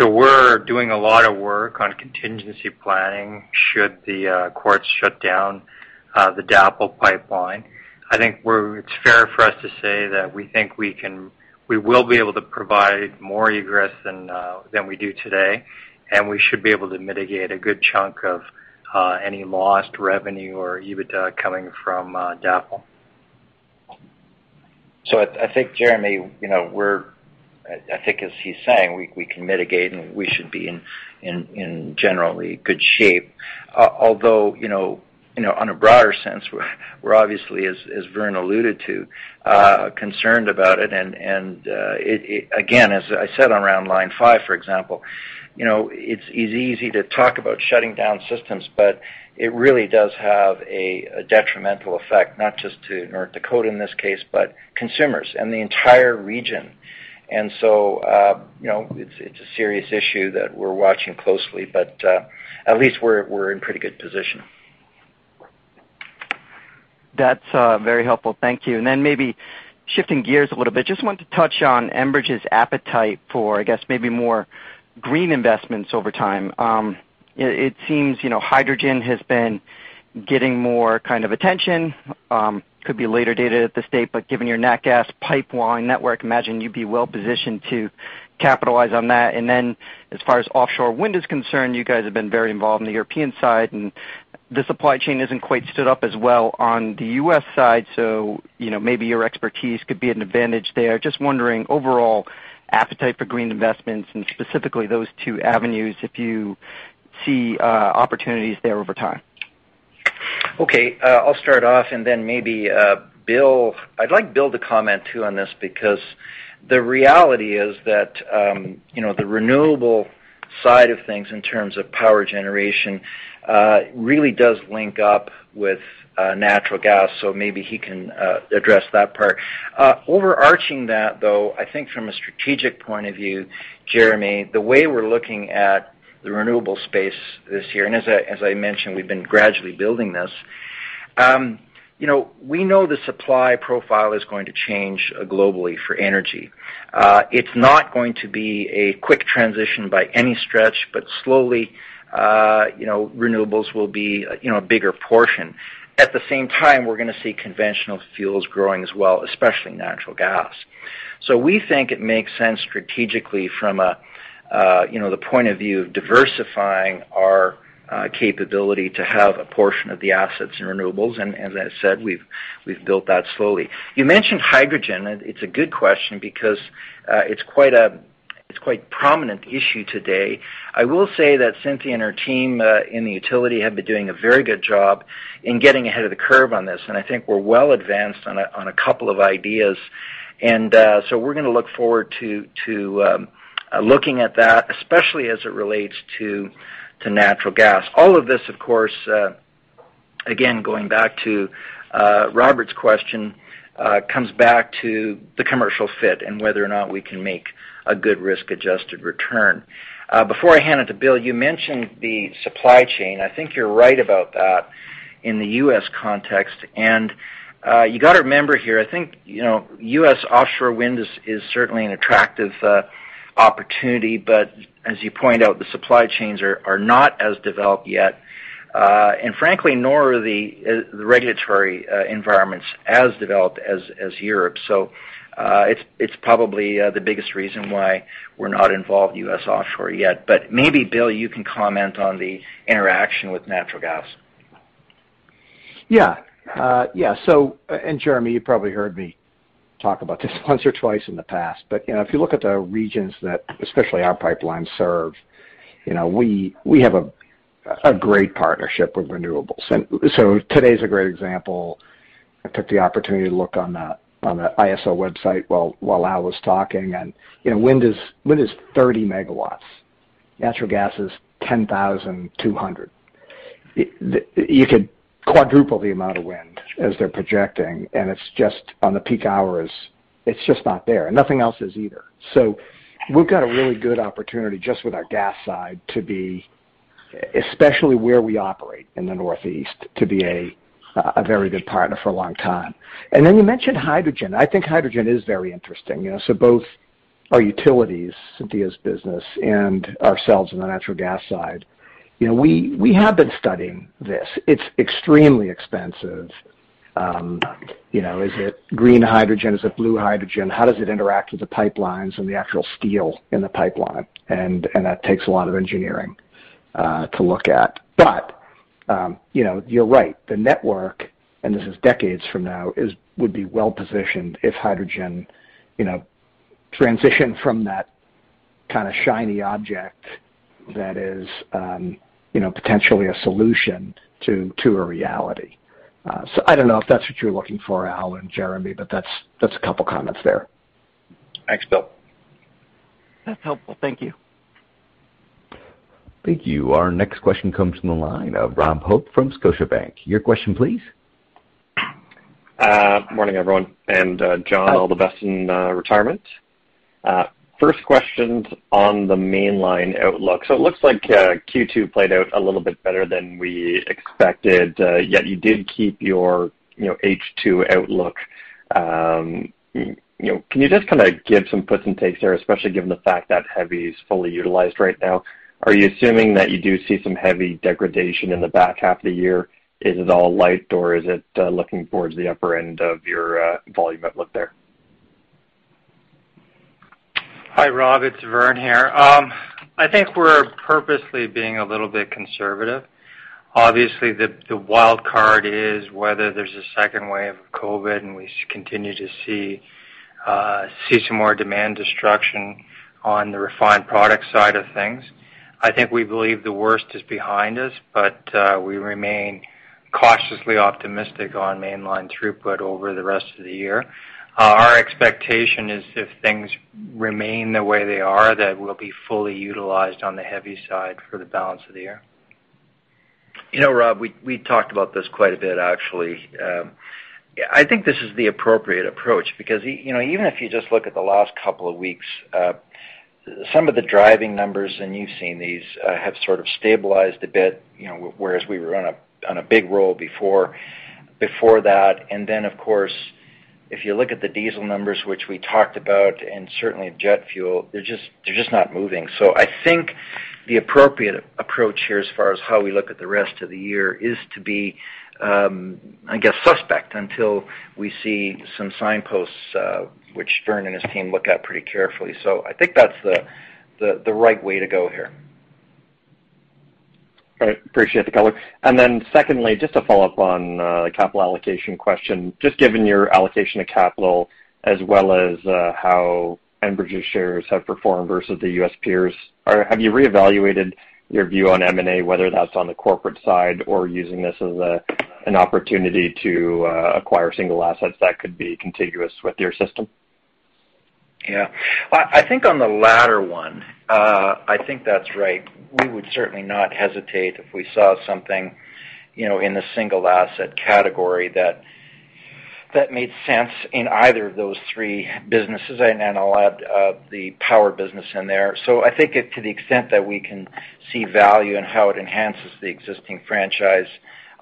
We're doing a lot of work on contingency planning should the courts shut down the DAPL pipeline. I think it's fair for us to say that we think we will be able to provide more egress than we do today, and we should be able to mitigate a good chunk of any lost revenue or EBITDA coming from DAPL. I think, Jeremy, I think as he's saying, we can mitigate, and we should be in generally good shape. Although, on a broader sense, we're obviously, as Vern alluded to, concerned about it. Again, as I said around Line 5, for example, it's easy to talk about shutting down systems, but it really does have a detrimental effect, not just to North Dakota in this case, but consumers and the entire region. It's a serious issue that we're watching closely, but at least we're in pretty good position. That's very helpful. Thank you. Maybe shifting gears a little bit, just wanted to touch on Enbridge's appetite for, I guess, maybe more green investments over time. It seems hydrogen has been getting more attention. Could be later dated at this state, but given your Nat Gas pipeline network, imagine you'd be well-positioned to capitalize on that. As far as offshore wind is concerned, you guys have been very involved in the European side, and the supply chain isn't quite stood up as well on the U.S. side. Maybe your expertise could be an advantage there. Just wondering, overall appetite for green investments and specifically those two avenues, if you see opportunities there over time. Okay. I'll start off and then maybe Bill. I'd like Bill to comment too on this because the reality is that the renewable side of things in terms of power generation really does link up with natural gas. Maybe he can address that part. Overarching that, though, I think from a strategic point of view, Jeremy, the way we're looking at the renewable space this year, and as I mentioned, we've been gradually building this. We know the supply profile is going to change globally for energy. It's not going to be a quick transition by any stretch, but slowly, renewables will be a bigger portion. At the same time, we're going to see conventional fuels growing as well, especially natural gas. We think it makes sense strategically from the point of view of diversifying our capability to have a portion of the assets in renewables. As I said, we've built that slowly. You mentioned hydrogen. It's a good question because it's quite prominent issue today. I will say that Cynthia and her team in the utility have been doing a very good job in getting ahead of the curve on this. I think we're well advanced on a couple of ideas. We're going to look forward to looking at that, especially as it relates to natural gas. All of this, of course, again, going back to Robert's question, comes back to the commercial fit and whether or not we can make a good risk-adjusted return. Before I hand it to Bill, you mentioned the supply chain. I think you're right about that in the U.S. context. You got to remember here, I think, U.S. offshore wind is certainly an attractive opportunity. As you point out, the supply chains are not as developed yet. Frankly, nor are the regulatory environments as developed as Europe. It's probably the biggest reason why we're not involved U.S. offshore yet. Maybe, Bill, you can comment on the interaction with natural gas. Yeah. Jeremy, you probably heard me talk about this once or twice in the past. If you look at the regions that, especially our pipelines serve, we have a great partnership with renewables. Today's a great example. I took the opportunity to look on the ISO website while Al was talking, wind is 30 megawatts. Natural gas is 10,200. You could quadruple the amount of wind as they're projecting, it's just on the peak hours. It's just not there. Nothing else is either. We've got a really good opportunity just with our gas side to be, especially where we operate in the Northeast, to be a very good partner for a long time. You mentioned hydrogen. I think hydrogen is very interesting. Both our utilities, Cynthia's business, and ourselves on the natural gas side, we have been studying this. It's extremely expensive. Is it green hydrogen? Is it blue hydrogen? How does it interact with the pipelines and the actual steel in the pipeline? That takes a lot of engineering to look at. You're right. The network, and this is decades from now, would be well-positioned if hydrogen transitioned from that kind of shiny object that is potentially a solution to a reality. I don't know if that's what you're looking for, Al and Jeremy, but that's a couple of comments there. Thanks, Bill. That's helpful. Thank you. Thank you. Our next question comes from the line of Rob Hope from Scotiabank. Your question, please. Good morning, everyone. John, all the best in retirement. First question's on the Mainline outlook. It looks like Q2 played out a little bit better than we expected, yet you did keep your H2 outlook. Can you just give some puts and takes there, especially given the fact that heavy is fully utilized right now? Are you assuming that you do see some heavy degradation in the back half of the year? Is it all light or is it looking towards the upper end of your volume outlook there? Hi, Rob. It's Vern here. I think we're purposely being a little bit conservative. Obviously, the wild card is whether there's a second wave of COVID and we continue to see some more demand destruction on the refined product side of things. I think we believe the worst is behind us, but we remain cautiously optimistic on mainline throughput over the rest of the year. Our expectation is if things remain the way they are, that we'll be fully utilized on the heavy side for the balance of the year. Rob, we talked about this quite a bit, actually. I think this is the appropriate approach because even if you just look at the last couple of weeks, some of the driving numbers, and you've seen these, have sort of stabilized a bit, whereas we were on a big roll before that. Of course, if you look at the diesel numbers, which we talked about, and certainly jet fuel, they're just not moving. I think the appropriate approach here as far as how we look at the rest of the year is to be, I guess, suspect until we see some signposts, which Vern and his team look at pretty carefully. I think that's the right way to go here. All right. Appreciate the color. Secondly, just to follow up on the capital allocation question, just given your allocation of capital as well as how Enbridge's shares have performed versus the U.S. peers, have you reevaluated your view on M&A, whether that's on the corporate side or using this as an opportunity to acquire single assets that could be contiguous with your system? Yeah. I think on the latter one, I think that's right. We would certainly not hesitate if we saw something in the single asset category that made sense in either of those three businesses. I'll add the power business in there. I think to the extent that we can see value in how it enhances the existing franchise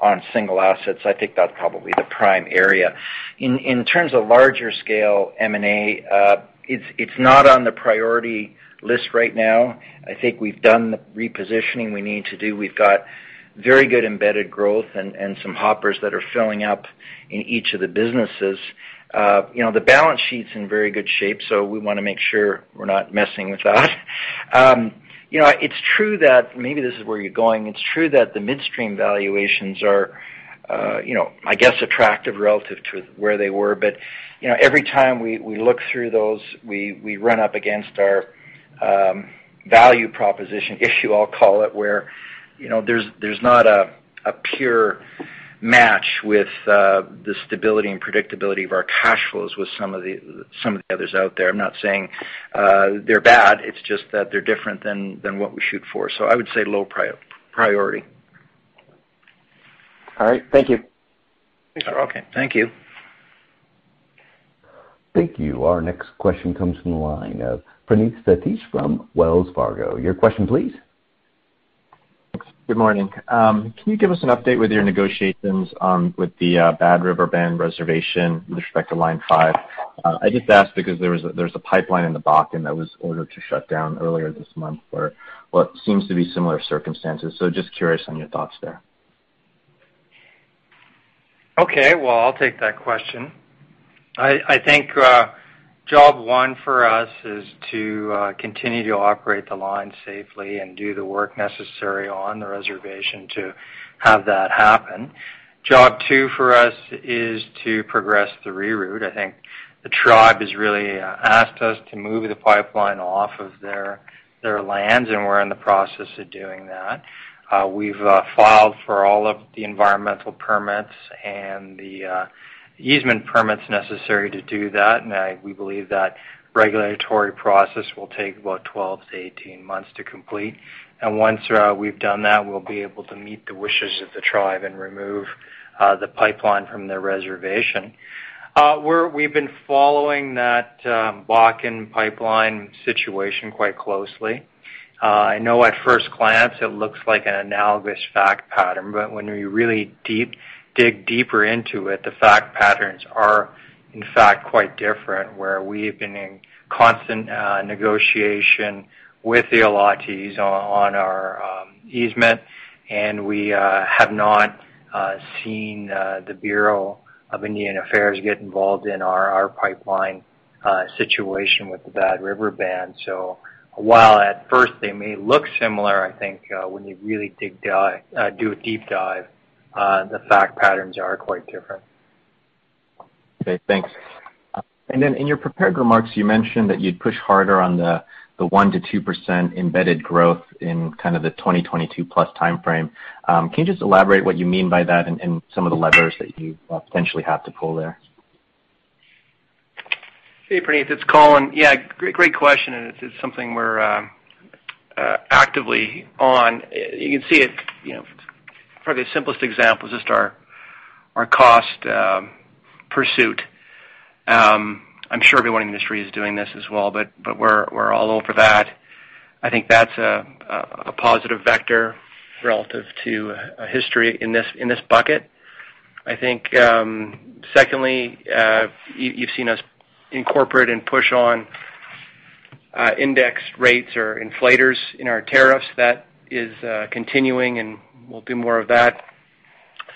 on single assets, I think that's probably the prime area. In terms of larger scale M&A, it's not on the priority list right now. I think we've done the repositioning we need to do. We've got very good embedded growth and some hoppers that are filling up in each of the businesses. The balance sheet's in very good shape, we want to make sure we're not messing with that. It's true that maybe this is where you're going. It's true that the midstream valuations are, I guess, attractive relative to where they were. Every time we look through those, we run up against our value proposition issue, I'll call it, where there's not a pure match with the stability and predictability of our cash flows with some of the others out there. I'm not saying they're bad, it's just that they're different than what we shoot for. I would say low priority. All right. Thank you. Okay. Thank you. Thank you. Our next question comes from the line of Praneeth Satish from Wells Fargo. Your question, please. Thanks. Good morning. Can you give us an update with your negotiations with the Bad River Band reservation with respect to Line 5? I just asked because there's a pipeline in the Bakken that was ordered to shut down earlier this month for what seems to be similar circumstances. Just curious on your thoughts there. Okay. Well, I'll take that question. I think job one for us is to continue to operate the line safely and do the work necessary on the reservation to have that happen. Job two for us is to progress the reroute. I think the tribe has really asked us to move the pipeline off of their lands, and we're in the process of doing that. We've filed for all of the environmental permits and the easement permits necessary to do that, and we believe that regulatory process will take about 12-18 months to complete. Once we've done that, we'll be able to meet the wishes of the tribe and remove the pipeline from their reservation. We've been following that Bakken pipeline situation quite closely. I know at first glance it looks like an analogous fact pattern, but when we really dig deeper into it, the fact patterns are, in fact, quite different, where we have been in constant negotiation with the allottees on our easement, and we have not seen the Bureau of Indian Affairs get involved in our pipeline situation with the Bad River Band. While at first they may look similar, I think when you really do a deep dive, the fact patterns are quite different. Okay, thanks. Then in your prepared remarks, you mentioned that you'd push harder on the 1% to 2% embedded growth in kind of the 2022 plus timeframe. Can you just elaborate what you mean by that and some of the levers that you potentially have to pull there? Hey, Praneeth, it's Colin. Yeah, great question, and it's something we're actively on. You can see it. Probably the simplest example is just our cost pursuit. I'm sure everyone in the industry is doing this as well, but we're all over that. I think that's a positive vector relative to history in this bucket. I think, secondly, you've seen us incorporate and push on index rates or inflators in our tariffs. That is continuing, and we'll do more of that.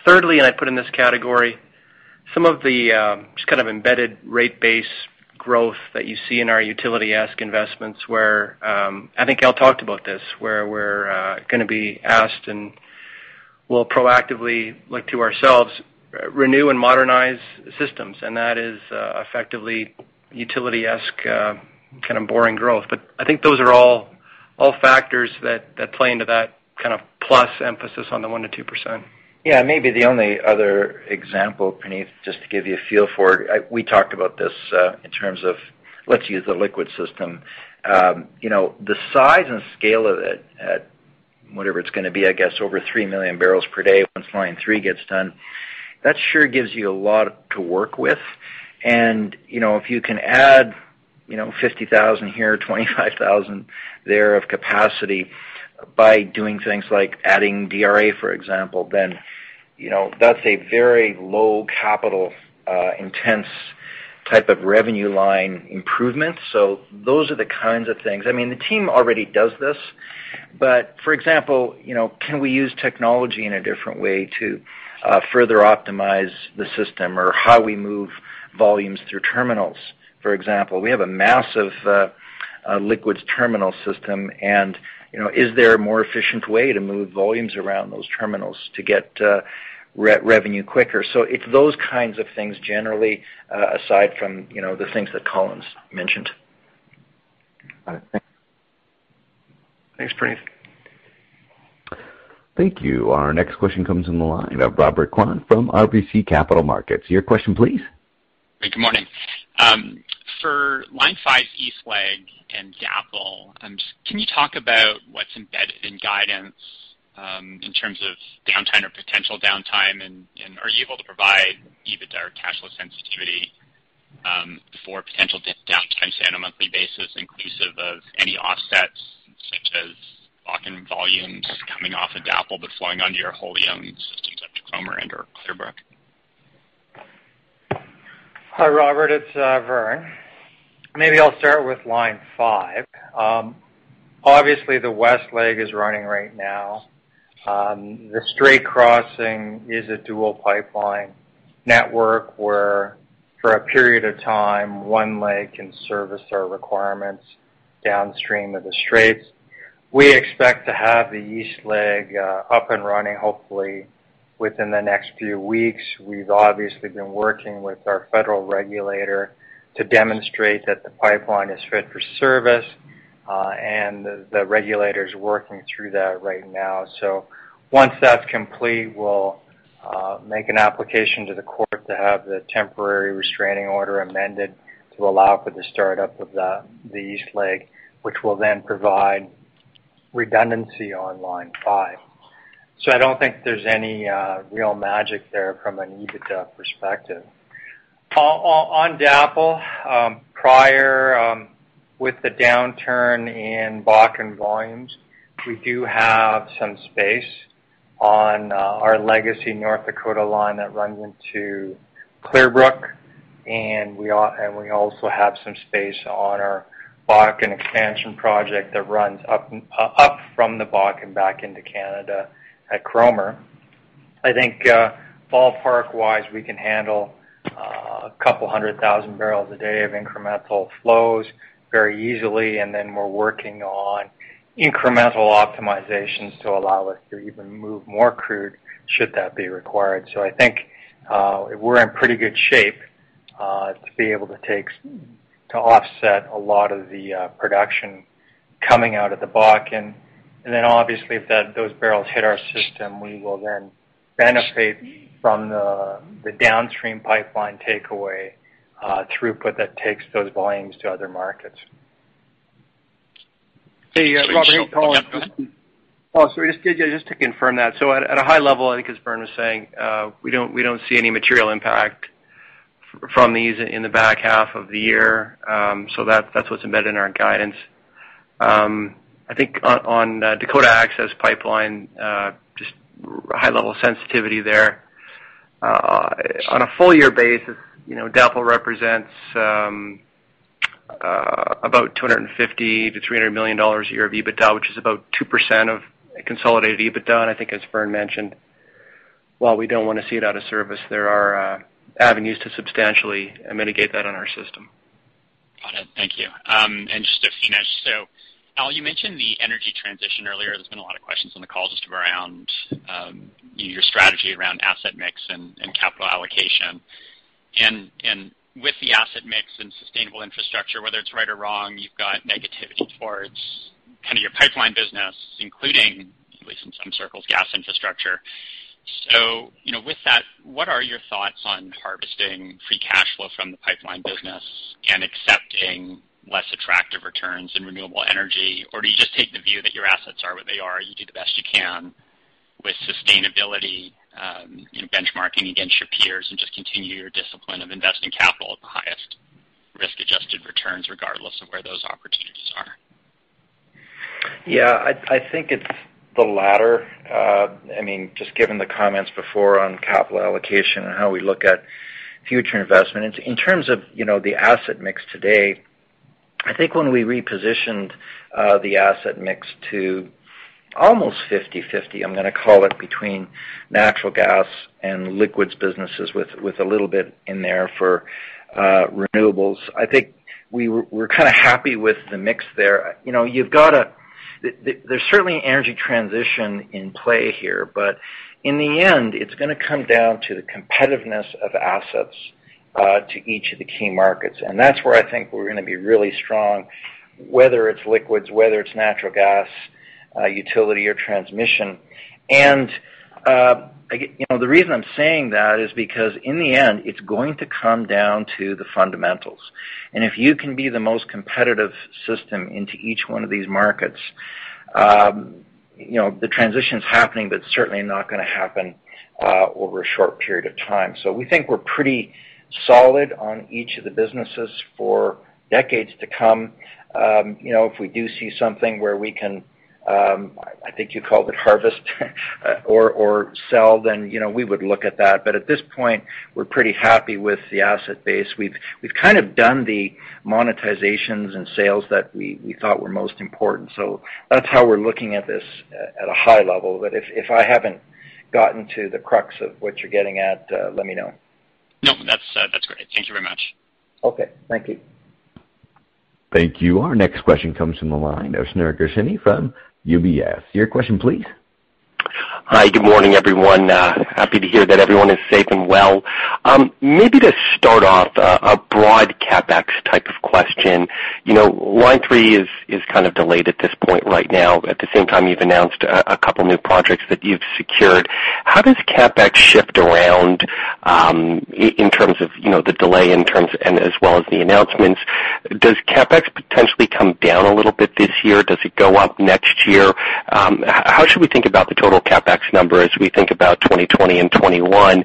Thirdly, and I'd put in this category some of the just kind of embedded rate base growth that you see in our utility-esque investments where, I think Al talked about this, where we're going to be asked and we'll proactively look to ourselves, renew and modernize systems, and that is effectively utility-esque, kind of boring growth. I think those are all factors that play into that kind of plus emphasis on the 1%-2%. Yeah, maybe the only other example, Praneeth, just to give you a feel for it, we talked about this in terms of, let's use the liquid system. The size and scale of it at whatever it's going to be, I guess, over 3 million barrels per day once Line 3 gets done, that sure gives you a lot to work with. If you can add 50,000 here, 25,000 there of capacity by doing things like adding DRA, for example, that's a very low capital intense type of revenue line improvement. Those are the kinds of things. I mean, the team already does this, but for example, can we use technology in a different way to further optimize the system? How we move volumes through terminals, for example. We have a massive liquids terminal system. Is there a more efficient way to move volumes around those terminals to get revenue quicker? It's those kinds of things generally, aside from the things that Colin's mentioned. Got it. Thanks. Thanks, Praneeth. Thank you. Our next question comes from the line of Robert Kwan from RBC Capital Markets. Your question, please. Good morning. For Line 5 East Leg and DAPL, can you talk about what's embedded in guidance, in terms of downtime or potential downtime, and are you able to provide EBITDA or cash flow sensitivity for potential downtimes on a monthly basis, inclusive of any offsets such as Bakken volumes coming off of DAPL but flowing onto your wholly owned systems like Cromer or into Clearbrook? Hi, Robert, it's Vern. Maybe I'll start with Line 5. Obviously, the west leg is running right now. The Strait Crossing is a dual pipeline network where for a period of time, one leg can service our requirements downstream of the Straits. We expect to have the east leg up and running, hopefully within the next few weeks. We've obviously been working with our federal regulator to demonstrate that the pipeline is fit for service, and the regulator's working through that right now. Once that's complete, we'll make an application to the court to have the temporary restraining order amended to allow for the startup of the east leg, which will then provide redundancy on Line 5. I don't think there's any real magic there from an EBITDA perspective. On DAPL, prior, with the downturn in Bakken volumes, we do have some space on our legacy North Dakota line that runs into Clearbrook. We also have some space on our Bakken expansion project that runs up from the Bakken back into Canada at Cromer. I think ballpark-wise, we can handle 200,000 barrels a day of incremental flows very easily. We're working on incremental optimizations to allow us to even move more crude should that be required. I think we're in pretty good shape to be able to offset a lot of the production coming out of the Bakken. Obviously, if those barrels hit our system, we will then benefit from the downstream pipeline takeaway throughput that takes those volumes to other markets. Hey, Robert. Sorry, just to confirm that. At a high level, I think as Vern was saying, we don't see any material impact from these in the back half of the year. That's what's embedded in our guidance. I think on Dakota Access Pipeline, just high level sensitivity there. On a full year basis, DAPL represents about 250 million-300 million dollars a year of EBITDA, which is about 2% of consolidated EBITDA. I think as Vern mentioned, while we don't want to see it out of service, there are avenues to substantially mitigate that on our system. Got it. Thank you. Just to finish, Al, you mentioned the energy transition earlier. There's been a lot of questions on the call just around your strategy around asset mix and capital allocation. With the asset mix and sustainable infrastructure, whether it's right or wrong, you've got negativity towards kind of your pipeline business, including at least in some circles, gas infrastructure. With that, what are your thoughts on harvesting free cash flow from the pipeline business and accepting less attractive returns in renewable energy? Do you just take the view that your assets are what they are, you do the best you can with sustainability, benchmarking against your peers, and just continue your discipline of investing capital at the highest risk-adjusted returns, regardless of where those opportunities are? Yeah, I think it's the latter. Just given the comments before on capital allocation and how we look at future investment. In terms of the asset mix today, I think when we repositioned the asset mix to almost 50/50, I'm going to call it, between natural gas and liquids businesses, with a little bit in there for renewables. I think we're kind of happy with the mix there. There's certainly an energy transition in play here, in the end, it's going to come down to the competitiveness of assets to each of the key markets. That's where I think we're going to be really strong, whether it's liquids, whether it's natural gas, utility, or transmission. The reason I'm saying that is because in the end, it's going to come down to the fundamentals. If you can be the most competitive system into each one of these markets, the transition's happening, but certainly not going to happen over a short period of time. We think we're pretty solid on each of the businesses for decades to come. If we do see something where we can, I think you called it harvest or sell, then we would look at that. At this point, we're pretty happy with the asset base. We've kind of done the monetizations and sales that we thought were most important. That's how we're looking at this at a high level. If I haven't gotten to the crux of what you're getting at, let me know. No, that's great. Thank you very much. Okay. Thank you. Thank you. Our next question comes from the line of Shneur Gershuni from UBS. Your question, please. Hi, good morning, everyone. Happy to hear that everyone is safe and well. Maybe to start off, a broad CapEx type of question. Line 3 is kind of delayed at this point right now. At the same time, you've announced a couple of new projects that you've secured. How does CapEx shift around, in terms of the delay and as well as the announcements? Does CapEx potentially come down a little bit this year? Does it go up next year? How should we think about the total CapEx number as we think about 2020 and 2021?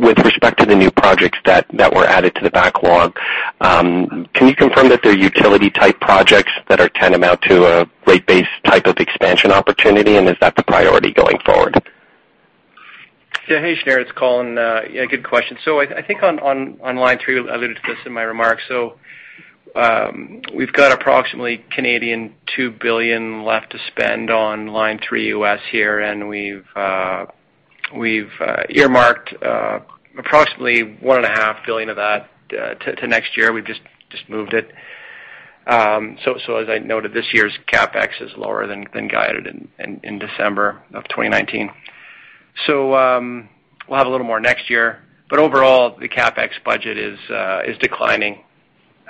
With respect to the new projects that were added to the backlog, can you confirm that they're utility-type projects that are tantamount to a rate-based type of expansion opportunity, and is that the priority going forward? Hey, Shneur. It's Colin. Good question. I think on Line 3, I alluded to this in my remarks. We've got approximately 2 billion left to spend on Line 3 U.S. here, and we've earmarked approximately 1.5 billion of that to next year. We've just moved it. As I noted, this year's CapEx is lower than guided in December of 2019. We'll have a little more next year, but overall, the CapEx budget is declining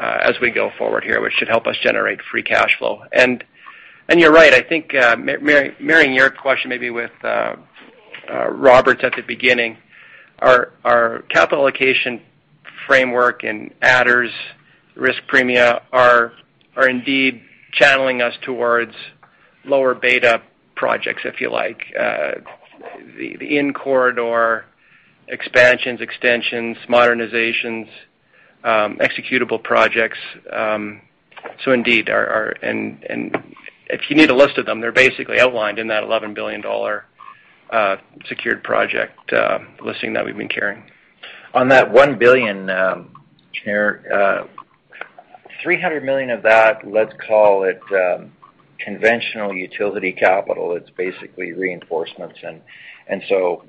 as we go forward here, which should help us generate free cash flow. You're right, I think, marrying your question maybe with Robert's at the beginning, our capital allocation framework and adders risk premia are indeed channeling us towards lower beta projects, if you like, the in-corridor expansions, extensions, modernizations, executable projects. If you need a list of them, they're basically outlined in that 11 billion dollar secured project listing that we've been carrying. On that 1 billion, Shneur, 300 million of that, let's call it conventional utility capital. It's basically reinforcements.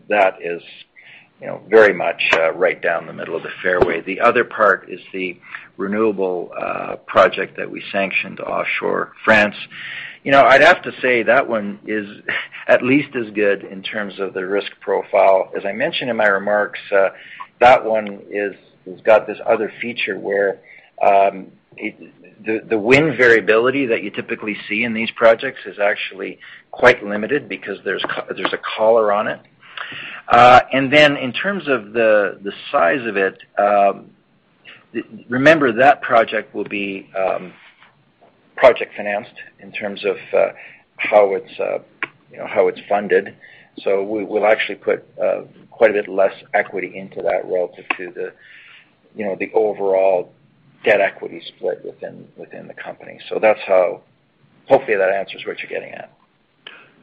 That is very much right down the middle of the fairway. The other part is the renewable project that we sanctioned offshore France. I'd have to say that one is at least as good in terms of the risk profile. As I mentioned in my remarks, that one has got this other feature where the wind variability that you typically see in these projects is actually quite limited because there's a collar on it. In terms of the size of it, remember, that project will be project financed in terms of how it's funded. We'll actually put quite a bit less equity into that relative to the overall debt equity split within the company. Hopefully, that answers what you're getting at.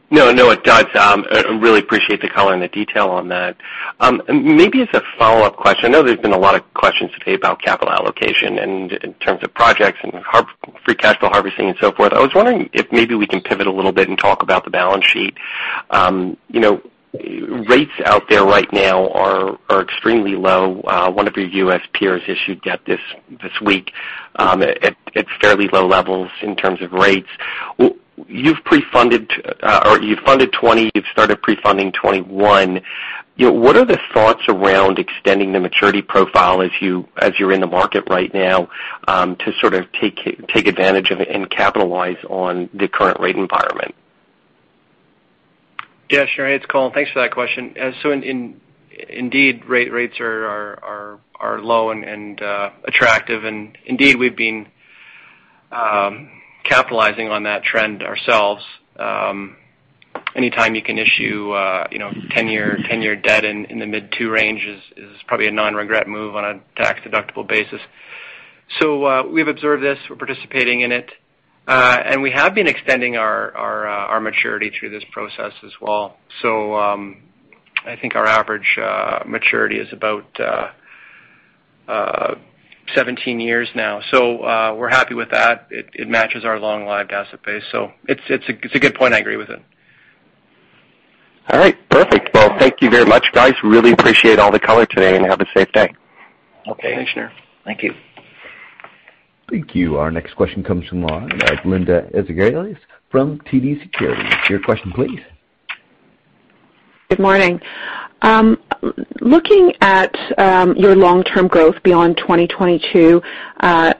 No, it does. I really appreciate the color and the detail on that. Maybe as a follow-up question. I know there's been a lot of questions today about capital allocation and in terms of projects and free cash flow harvesting and so forth. I was wondering if maybe we can pivot a little bit and talk about the balance sheet. Rates out there right now are extremely low. One of your U.S. peers issued debt this week at fairly low levels in terms of rates. You've funded 2020, you've started pre-funding 2021. What are the thoughts around extending the maturity profile as you're in the market right now to sort of take advantage of and capitalize on the current rate environment? Yeah, sure. It's Colin. Thanks for that question. Indeed, rates are low and attractive, and indeed, we've been capitalizing on that trend ourselves. Anytime you can issue 10-year debt in the mid two range is probably a non-regret move on a tax-deductible basis. We've observed this. We're participating in it. We have been extending our maturity through this process as well. I think our average maturity is about 17 years now. We're happy with that. It matches our long-lived asset base. It's a good point. I agree with it. All right. Perfect. Well, thank you very much, guys. Really appreciate all the color today, and have a safe day. Okay. Thanks, Shneur. Thank you. Thank you. Our next question comes from the line of Linda Ezergailis from TD Securities. Your question please. Good morning. Looking at your long-term growth beyond 2022,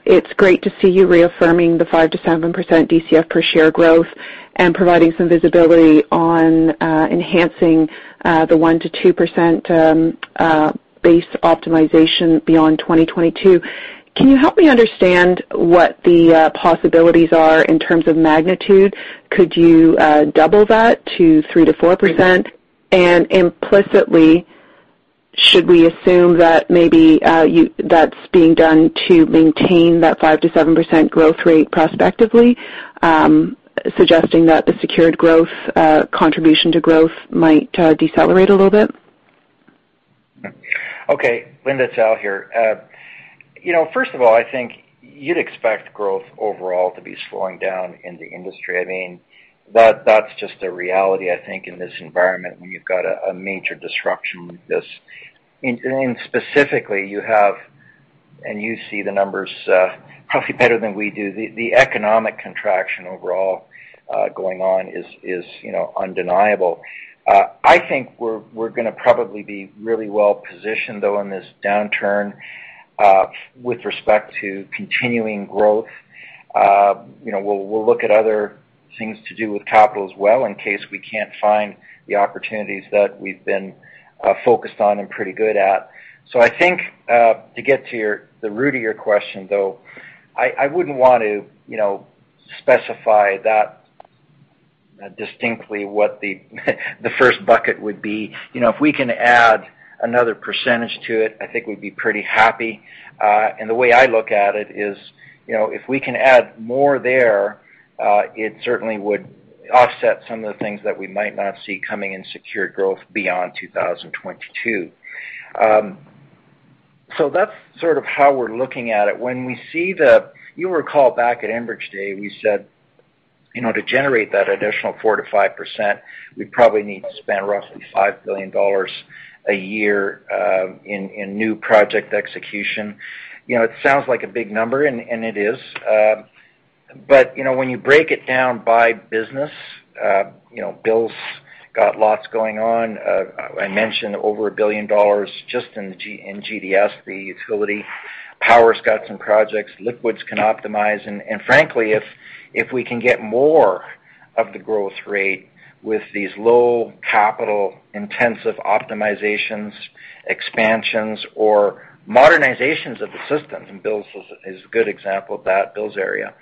it's great to see you reaffirming the 5%-7% DCF per share growth and providing some visibility on enhancing the 1%-2% base optimization beyond 2022. Can you help me understand what the possibilities are in terms of magnitude? Could you double that to 3%-4%? Implicitly, should we assume that maybe that's being done to maintain that 5%-7% growth rate prospectively, suggesting that the secured growth, contribution to growth might decelerate a little bit? Okay. Linda, it's Al here. First of all, I think you'd expect growth overall to be slowing down in the industry. That's just a reality, I think, in this environment, when you've got a major disruption like this. Specifically, you have, and you see the numbers probably better than we do. The economic contraction overall going on is undeniable. I think we're going to probably be really well-positioned, though, in this downturn with respect to continuing growth. We'll look at other things to do with capital as well, in case we can't find the opportunities that we've been focused on and pretty good at. I think, to get to the root of your question, though, I wouldn't want to specify that distinctly what the first bucket would be. If we can add another percentage to it, I think we'd be pretty happy. The way I look at it is, if we can add more there. It certainly would offset some of the things that we might not see coming in secured growth beyond 2022. That's sort of how we're looking at it. You'll recall back at Enbridge Day, we said, to generate that additional 4%-5%, we'd probably need to spend roughly 5 billion dollars a year in new project execution. It sounds like a big number, and it is. When you break it down by business, Bill's got lots going on. I mentioned over 1 billion dollars just in GDS, the utility. Power's got some projects. Liquids can optimize. Frankly, if we can get more of the growth rate with these low capital-intensive optimizations, expansions, or modernizations of the systems, and Bill's is a good example of that, Bill's area.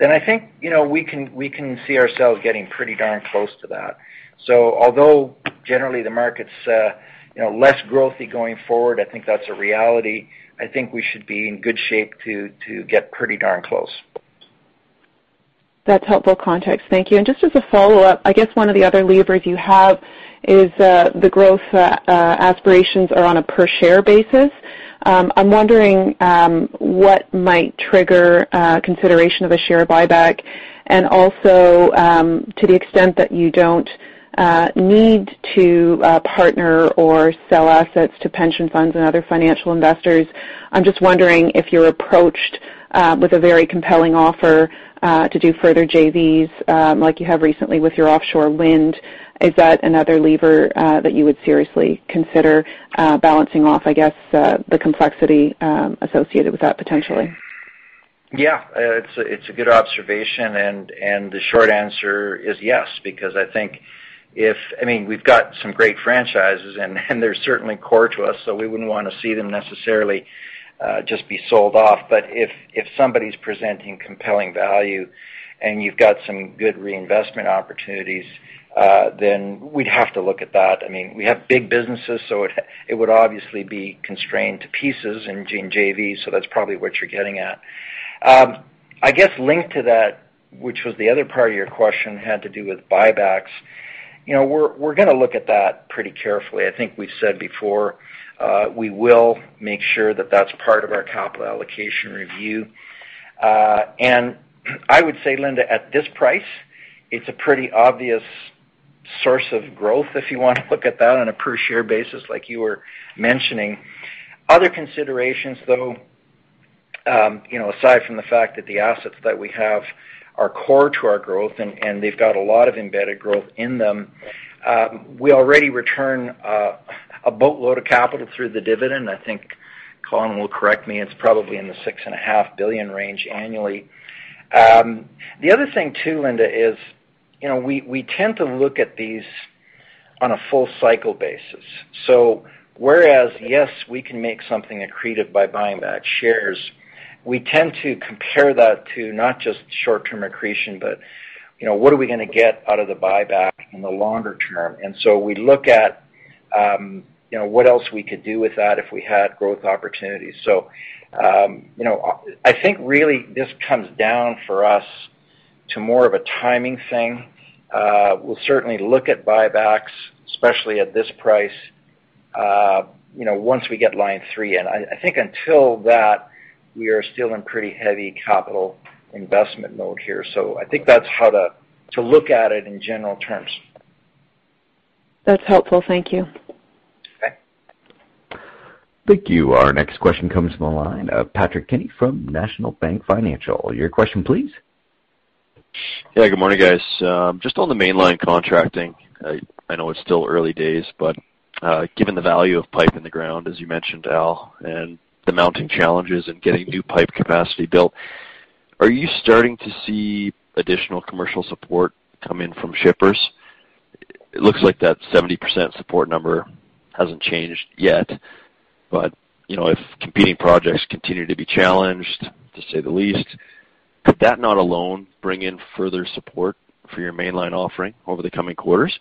I think, we can see ourselves getting pretty darn close to that. Although generally the market's less growth-y going forward, I think that's a reality. I think we should be in good shape to get pretty darn close. That's helpful context. Thank you. Just as a follow-up, I guess one of the other levers you have is the growth aspirations are on a per-share basis. I'm wondering what might trigger consideration of a share buyback, and also, to the extent that you don't need to partner or sell assets to pension funds and other financial investors. I'm just wondering if you're approached with a very compelling offer to do further JVs, like you have recently with your offshore wind. Is that another lever that you would seriously consider balancing off, I guess, the complexity associated with that potentially? Yeah. It's a good observation. The short answer is yes. I think, we've got some great franchises and they're certainly core to us. We wouldn't want to see them necessarily just be sold off. If somebody's presenting compelling value and you've got some good reinvestment opportunities, we'd have to look at that. We have big businesses. It would obviously be constrained to pieces in JV. That's probably what you're getting at. I guess linked to that, which was the other part of your question, had to do with buybacks. We're going to look at that pretty carefully. I think we've said before, we will make sure that that's part of our capital allocation review. I would say, Linda, at this price, it's a pretty obvious source of growth if you want to look at that on a per-share basis like you were mentioning. Other considerations, though, aside from the fact that the assets that we have are core to our growth and they've got a lot of embedded growth in them, we already return a boatload of capital through the dividend. I think Colin will correct me, it's probably in the 6.5 billion range annually. The other thing, too, Linda, is we tend to look at these on a full-cycle basis. Whereas, yes, we can make something accretive by buying back shares, we tend to compare that to not just short-term accretion, but what are we going to get out of the buyback in the longer term? We look at what else we could do with that if we had growth opportunities. I think really this comes down for us to more of a timing thing. We'll certainly look at buybacks, especially at this price, once we get Line 3 in. I think until that, we are still in pretty heavy capital investment mode here. I think that's how to look at it in general terms. That's helpful. Thank you. Okay. Thank you. Our next question comes from the line of Patrick Kenny from National Bank Financial. Your question, please. Yeah, good morning, guys. Just on the mainline contracting, I know it's still early days, but given the value of pipe in the ground, as you mentioned, Al, and the mounting challenges in getting new pipe capacity built, are you starting to see additional commercial support come in from shippers? It looks like that 70% support number hasn't changed yet. If competing projects continue to be challenged, to say the least, could that not alone bring in further support for your mainline offering over the coming quarters?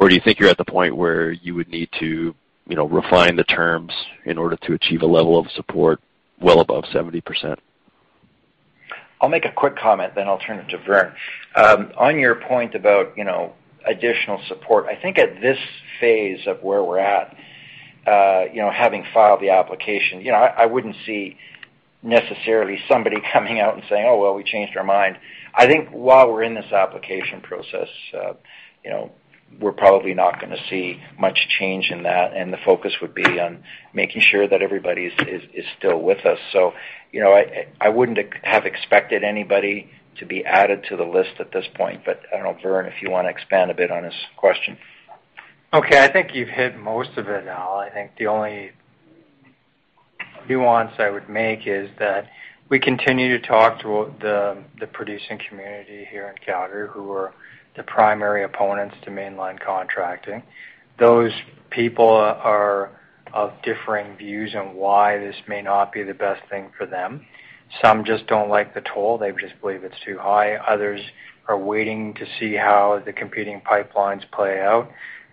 Do you think you're at the point where you would need to refine the terms in order to achieve a level of support well above 70%? I'll make a quick comment, then I'll turn it to Vern. On your point about additional support, I think at this phase of where we're at, having filed the application, I wouldn't see necessarily somebody coming out and saying, "Oh, well, we changed our mind." I think while we're in this application process, we're probably not going to see much change in that, and the focus would be on making sure that everybody is still with us. I wouldn't have expected anybody to be added to the list at this point. I don't know, Vern, if you want to expand a bit on his question. Okay. I think you've hit most of it, Al. I think the only nuance I would make is that we continue to talk to the producing community here in Calgary who are the primary opponents to Mainline contracting. Those people are of differing views on why this may not be the best thing for them. Some just don't like the toll. They just believe it's too high. Others are waiting to see how the competing pipelines play out.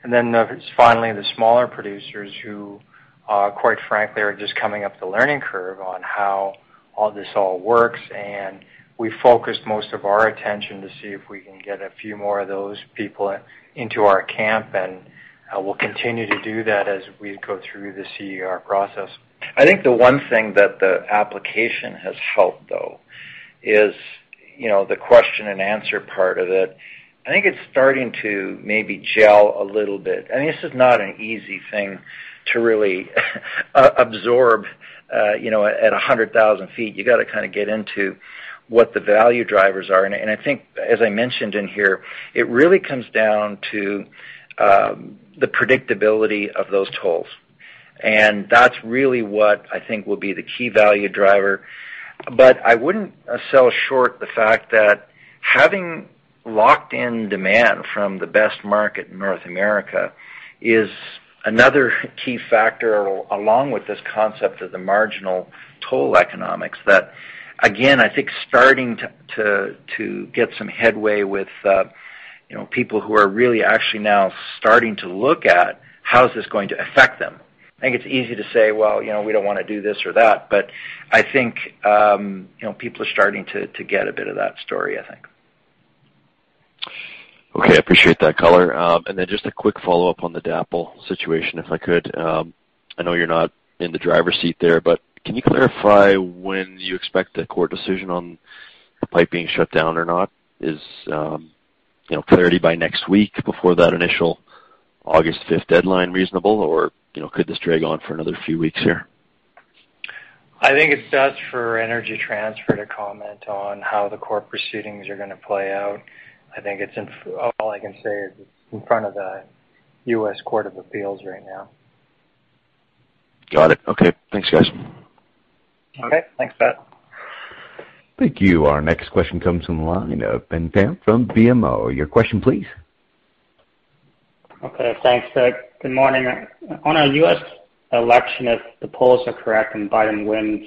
There's finally the smaller producers who, quite frankly, are just coming up the learning curve on how All this all works. We focus most of our attention to see if we can get a few more of those people into our camp, and we'll continue to do that as we go through the CER process. I think the one thing that the application has helped, though, is the question-and-answer part of it. I think it's starting to maybe gel a little bit. This is not an easy thing to really absorb at 100,000 feet. You got to get into what the value drivers are. I think, as I mentioned in here, it really comes down to the predictability of those tolls. That's really what I think will be the key value driver. I wouldn't sell short the fact that having locked-in demand from the best market in North America is another key factor along with this concept of the marginal toll economics. Again, I think starting to get some headway with people who are really actually now starting to look at how is this going to affect them. I think it's easy to say, well, we don't want to do this or that. I think people are starting to get a bit of that story, I think. Okay. I appreciate that color. Then just a quick follow-up on the DAPL situation, if I could. I know you're not in the driver's seat there, but can you clarify when you expect a court decision on the pipe being shut down or not? Is clarity by next week before that initial August 5th deadline reasonable, or could this drag on for another few weeks here? I think it's best for Energy Transfer to comment on how the court proceedings are going to play out. I think all I can say is it's in front of the U.S. Court of Appeals right now. Got it. Okay. Thanks, guys. Okay. Thanks, Pat. Thank you. Our next question comes from the line of Ben Pham from BMO. Your question, please. Okay, thanks. Good morning. On a U.S. election, if the polls are correct and Biden wins,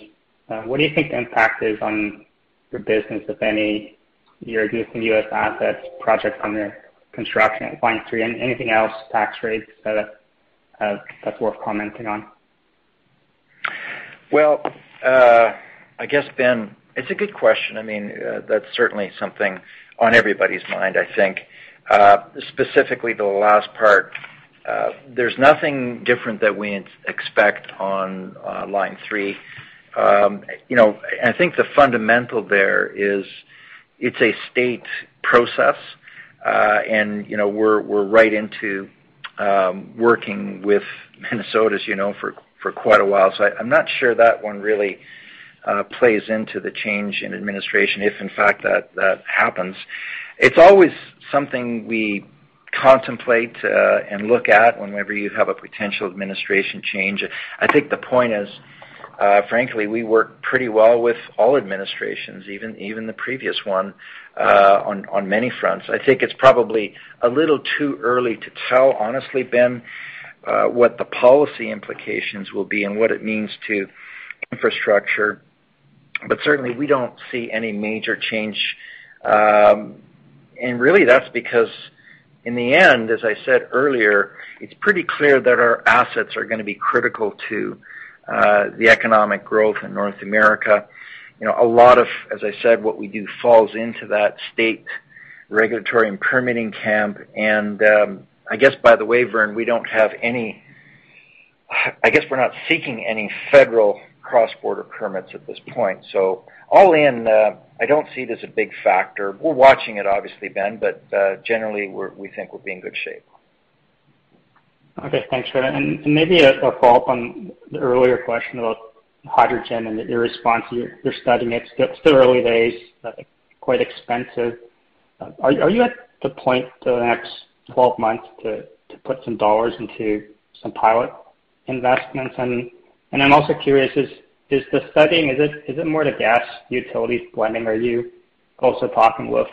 what do you think the impact is on your business, if any, your existing U.S. assets, projects under construction at Line 3? Anything else, tax rates, that's worth commenting on? Well, I guess, Ben, it's a good question. That's certainly something on everybody's mind, I think. Specifically, the last part. There's nothing different that we expect on Line 3. I think the fundamental there is it's a state process, and we're right into working with Minnesota, as you know, for quite a while. I'm not sure that one really plays into the change in administration, if in fact that happens. It's always something we contemplate and look at whenever you have a potential administration change. I think the point is, frankly, we work pretty well with all administrations, even the previous one, on many fronts. I think it's probably a little too early to tell, honestly, Ben, what the policy implications will be and what it means to infrastructure. Certainly, we don't see any major change. Really that's because in the end, as I said earlier, it's pretty clear that our assets are going to be critical to the economic growth in North America. A lot of, as I said, what we do falls into that state regulatory and permitting camp, and I guess, by the way, Vern, I guess we're not seeking any federal cross-border permits at this point. All in, I don't see it as a big factor. We're watching it, obviously, Ben, but generally, we think we'll be in good shape. Okay. Thanks for that. Maybe a follow-up on the earlier question about hydrogen and your response. You're studying it. It's still early days, quite expensive. Are you at the point in the next 12 months to put some dollars into some pilot investments? I'm also curious, is the studying, is it more the gas utilities blending? Are you also talking with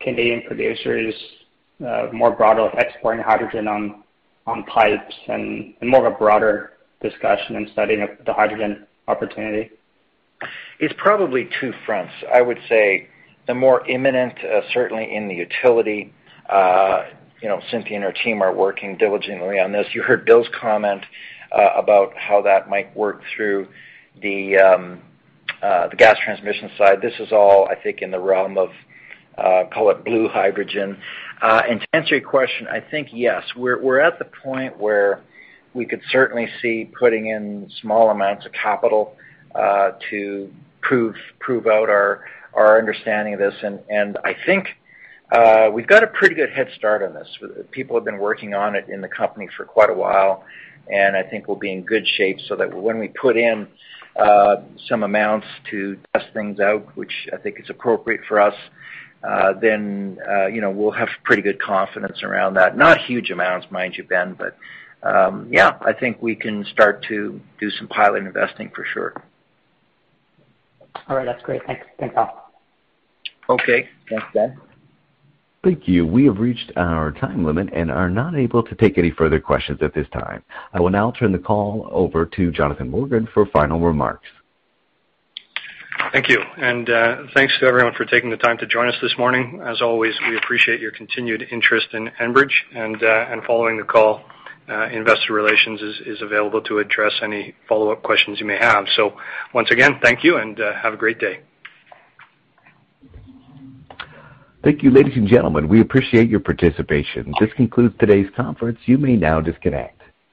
Canadian producers more broadly exporting hydrogen on pipes and more of a broader discussion and studying of the hydrogen opportunity? It's probably two fronts. I would say the more imminent, certainly in the utility. Cynthia and her team are working diligently on this. You heard Bill's comment about how that might work through the gas transmission side. This is all, I think, in the realm of call it blue hydrogen. To answer your question, I think yes. We're at the point where we could certainly see putting in small amounts of capital to prove out our understanding of this. I think we've got a pretty good head start on this. People have been working on it in the company for quite a while, and I think we'll be in good shape so that when we put in some amounts to test things out, which I think is appropriate for us, then we'll have pretty good confidence around that. Not huge amounts, mind you, Ben, but yeah, I think we can start to do some pilot investing for sure. All right. That's great. Thanks. Thanks, all. Okay. Thanks, Ben. Thank you. We have reached our time limit and are not able to take any further questions at this time. I will now turn the call over to Jonathan Morgan for final remarks. Thank you. Thanks to everyone for taking the time to join us this morning. As always, we appreciate your continued interest in Enbridge. Following the call, investor relations is available to address any follow-up questions you may have. Once again, thank you and have a great day. Thank you, ladies and gentlemen. We appreciate your participation. This concludes today's conference. You may now disconnect.